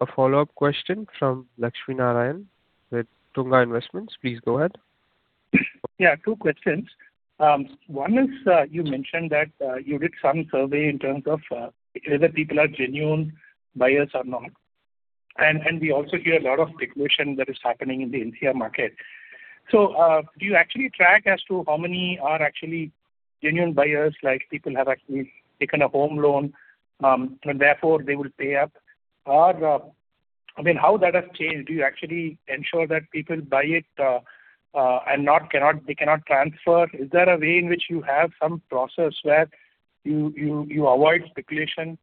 A follow-up question from Lakshmi Narayan with Tunga Investments. Please go ahead. Yeah, two questions. One is, you mentioned that, you did some survey in terms of, whether people are genuine buyers or not. And we also hear a lot of speculation that is happening in the NCR market. So, do you actually track as to how many are actually genuine buyers, like people have actually taken a home loan, and therefore they will pay up? Or, I mean, how that has changed, do you actually ensure that people buy it, and not cannot, they cannot transfer? Is there a way in which you have some process where you avoid speculation,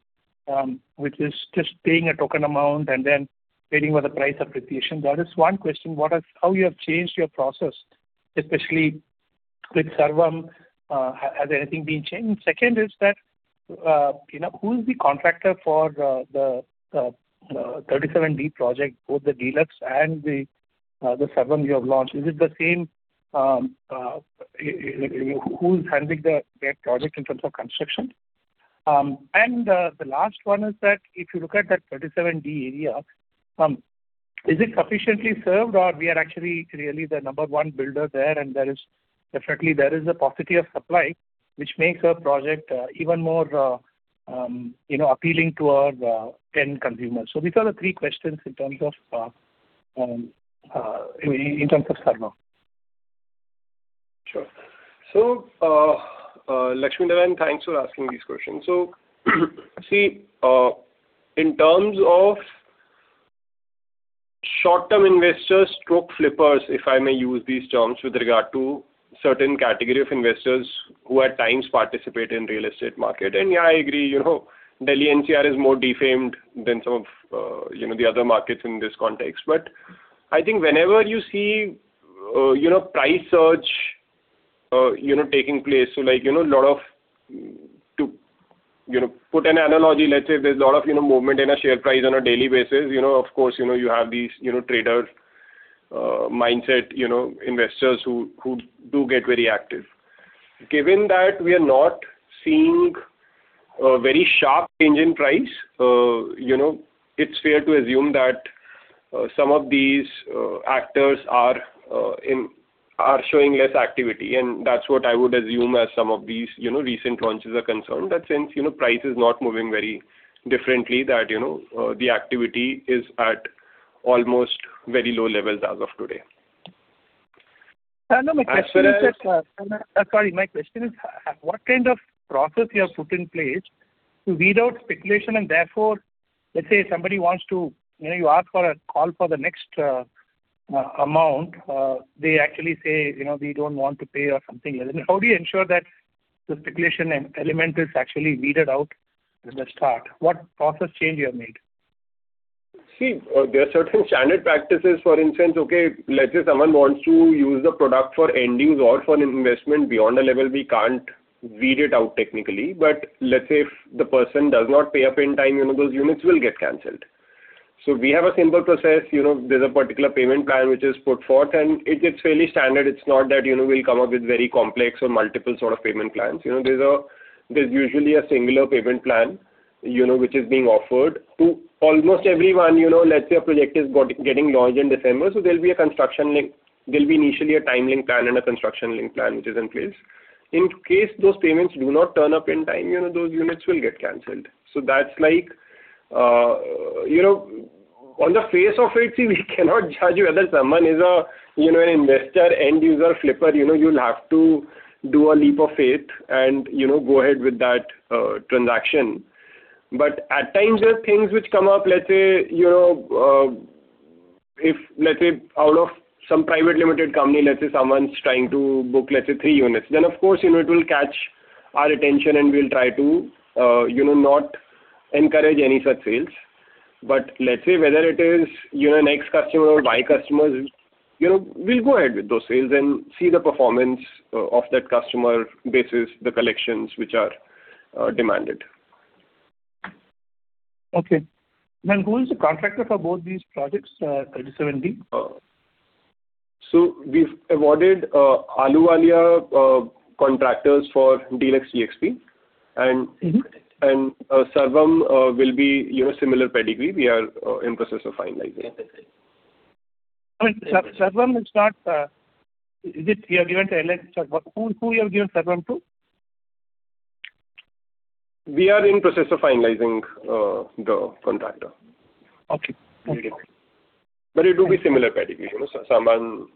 which is just paying a token amount and then waiting for the price appreciation? That is one question: what is how you have changed your process, especially with Sarvam, has anything been changed? Second is that, you know, who is the contractor for the 37D project, both the De Luxe and the Sarvam you have launched? Is it the same, who's handling the project in terms of construction? And the last one is that if you look at that 37D area, is it sufficiently served, or we are actually really the number one builder there, and there is definitely a paucity of supply, which makes a project even more, you know, appealing to our end consumers. So these are the three questions in terms of Sarvam. Sure. So, Lakshmi Narayan, thanks for asking these questions. So, see, in terms of short-term investors/flippers, if I may use these terms with regard to certain category of investors who at times participate in real estate market. And yeah, I agree, you know, Delhi NCR is more defamed than some of, you know, the other markets in this context. But I think whenever you see, you know, price surge, you know, taking place, so like, you know, a lot of... To, you know, put an analogy, let's say there's a lot of, you know, movement in a share price on a daily basis. You know, of course, you know, you have these, you know, trader mindset, you know, investors who do get very active. Given that we are not seeing a very sharp change in price, you know, it's fair to assume that some of these actors are showing less activity, and that's what I would assume as some of these, you know, recent launches are concerned. That since, you know, price is not moving very differently, that, you know, the activity is at almost very low levels as of today. No, my question is that- As well as- Sorry, my question is, what kind of process you have put in place to weed out speculation, and therefore, let's say somebody wants to, you know, you ask for a call for the next, amount, they actually say, you know, "We don't want to pay," or something like that. How do you ensure that the speculation element is actually weeded out at the start? What process change you have made? See, there are certain standard practices, for instance, okay, let's say someone wants to use the product for endings or for an investment. Beyond a level, we can't weed it out technically. But let's say if the person does not pay up in time, you know, those units will get canceled. So we have a simple process, you know, there's a particular payment plan which is put forth, and it's fairly standard. It's not that, you know, we'll come up with very complex or multiple sort of payment plans. You know, there's usually a singular payment plan, you know, which is being offered to almost everyone. You know, let's say a project is getting launched in December, so there'll be a construction-linked—there'll be initially a time-linked plan and a construction-linked plan, which is in place. In case those payments do not turn up in time, you know, those units will get canceled. So that's like, you know, on the face of it, we cannot judge whether someone is a, you know, an investor, end user, flipper. You know, you'll have to do a leap of faith and, you know, go ahead with that, transaction. But at times, there are things which come up, let's say, you know, if, let's say, out of some private limited company, let's say, someone's trying to book, let's say, three units, then of course, you know, it will catch our attention and we'll try to, you know, not encourage any such sales. Let's say whether it is, you know, an X customer or Y customer, you know, we'll go ahead with those sales and see the performance of that customer basis the collections which are demanded. Okay. Then who is the contractor for both these projects, 37D? We've awarded Ahluwalia Contractors for De Luxe DXP, and- Mm-hmm. and Sarvam will be, you know, similar pedigree. We are in process of finalizing. I mean, Sarvam is not... Is it you have given to [LX]? Who you have given Sarvam to? We are in process of finalizing the contractor. Okay. But it will be similar pedigree, you know, someone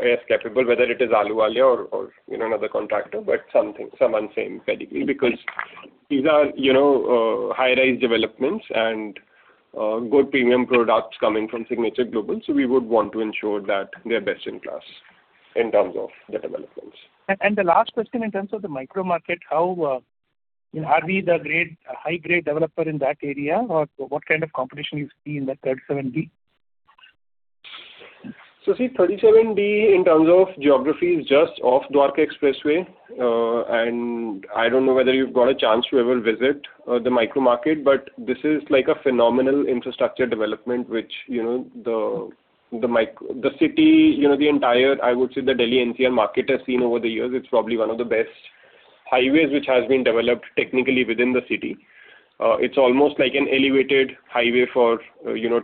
as capable, whether it is Ahluwalia or, you know, another contractor, but something, someone same pedigree. Because these are, you know, high-rise developments and good premium products coming from Signature Global, so we would want to ensure that they're best in class in terms of the developments. The last question in terms of the micro market, how are we a high-grade developer in that area, or what kind of competition you see in that 37D? So see, 37D, in terms of geography, is just off Dwarka Expressway. And I don't know whether you've got a chance to ever visit the micro market, but this is like a phenomenal infrastructure development, which, you know, the city, you know, the entire, I would say, the Delhi NCR market has seen over the years, it's probably one of the best highways which has been developed technically within the city. It's almost like an elevated highway for, you know,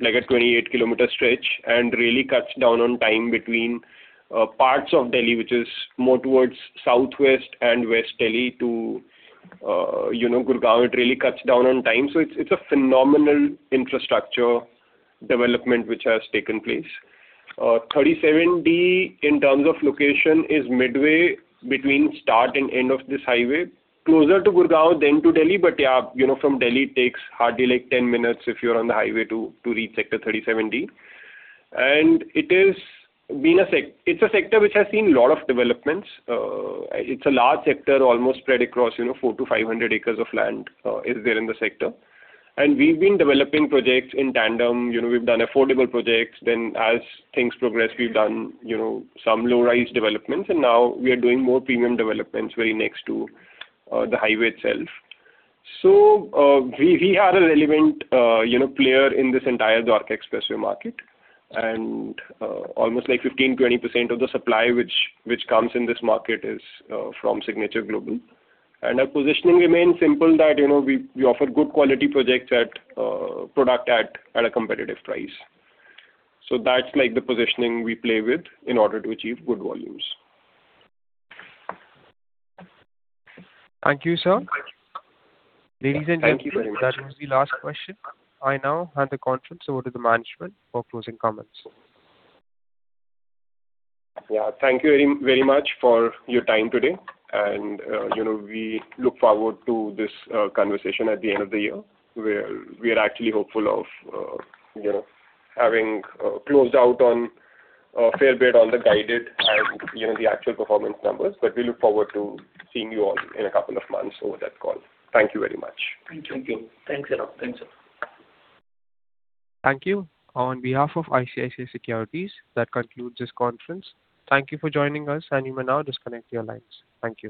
like a 28-km stretch, and really cuts down on time between parts of Delhi, which is more towards southwest and West Delhi to, you know, Gurugram. It really cuts down on time. So it's a phenomenal infrastructure development which has taken place. Sector 37D, in terms of location, is midway between start and end of this highway, closer to Gurugram than to Delhi. But, yeah, you know, from Delhi, it takes hardly, like, 10 minutes if you're on the highway to reach Sector 37D. And it's a sector which has seen a lot of developments. It's a large sector, almost spread across, you know, 400 ac-500 ac of land, is there in the sector. And we've been developing projects in tandem. You know, we've done affordable projects. Then, as things progress, we've done, you know, some low-rise developments, and now we are doing more premium developments very next to the highway itself. So, we are a relevant, you know, player in this entire Dwarka Expressway market. Almost like 15%-20% of the supply which comes in this market is from Signature Global. Our positioning remains simple, that, you know, we offer good quality projects at product at a competitive price. So that's like the positioning we play with in order to achieve good volumes. Thank you, sir. Ladies and gentlemen- Thank you very much. That was the last question. I now hand the conference over to the management for closing comments. Yeah, thank you very, very much for your time today, and, you know, we look forward to this conversation at the end of the year, where we are actually hopeful of, you know, having closed out on a fair bit on the guided and, you know, the actual performance numbers. But we look forward to seeing you all in a couple of months over that call. Thank you very much. Thank you. Thank you. Thanks a lot. Thanks, sir. Thank you. On behalf of ICICI Securities, that concludes this conference. Thank you for joining us, and you may now disconnect your lines. Thank you.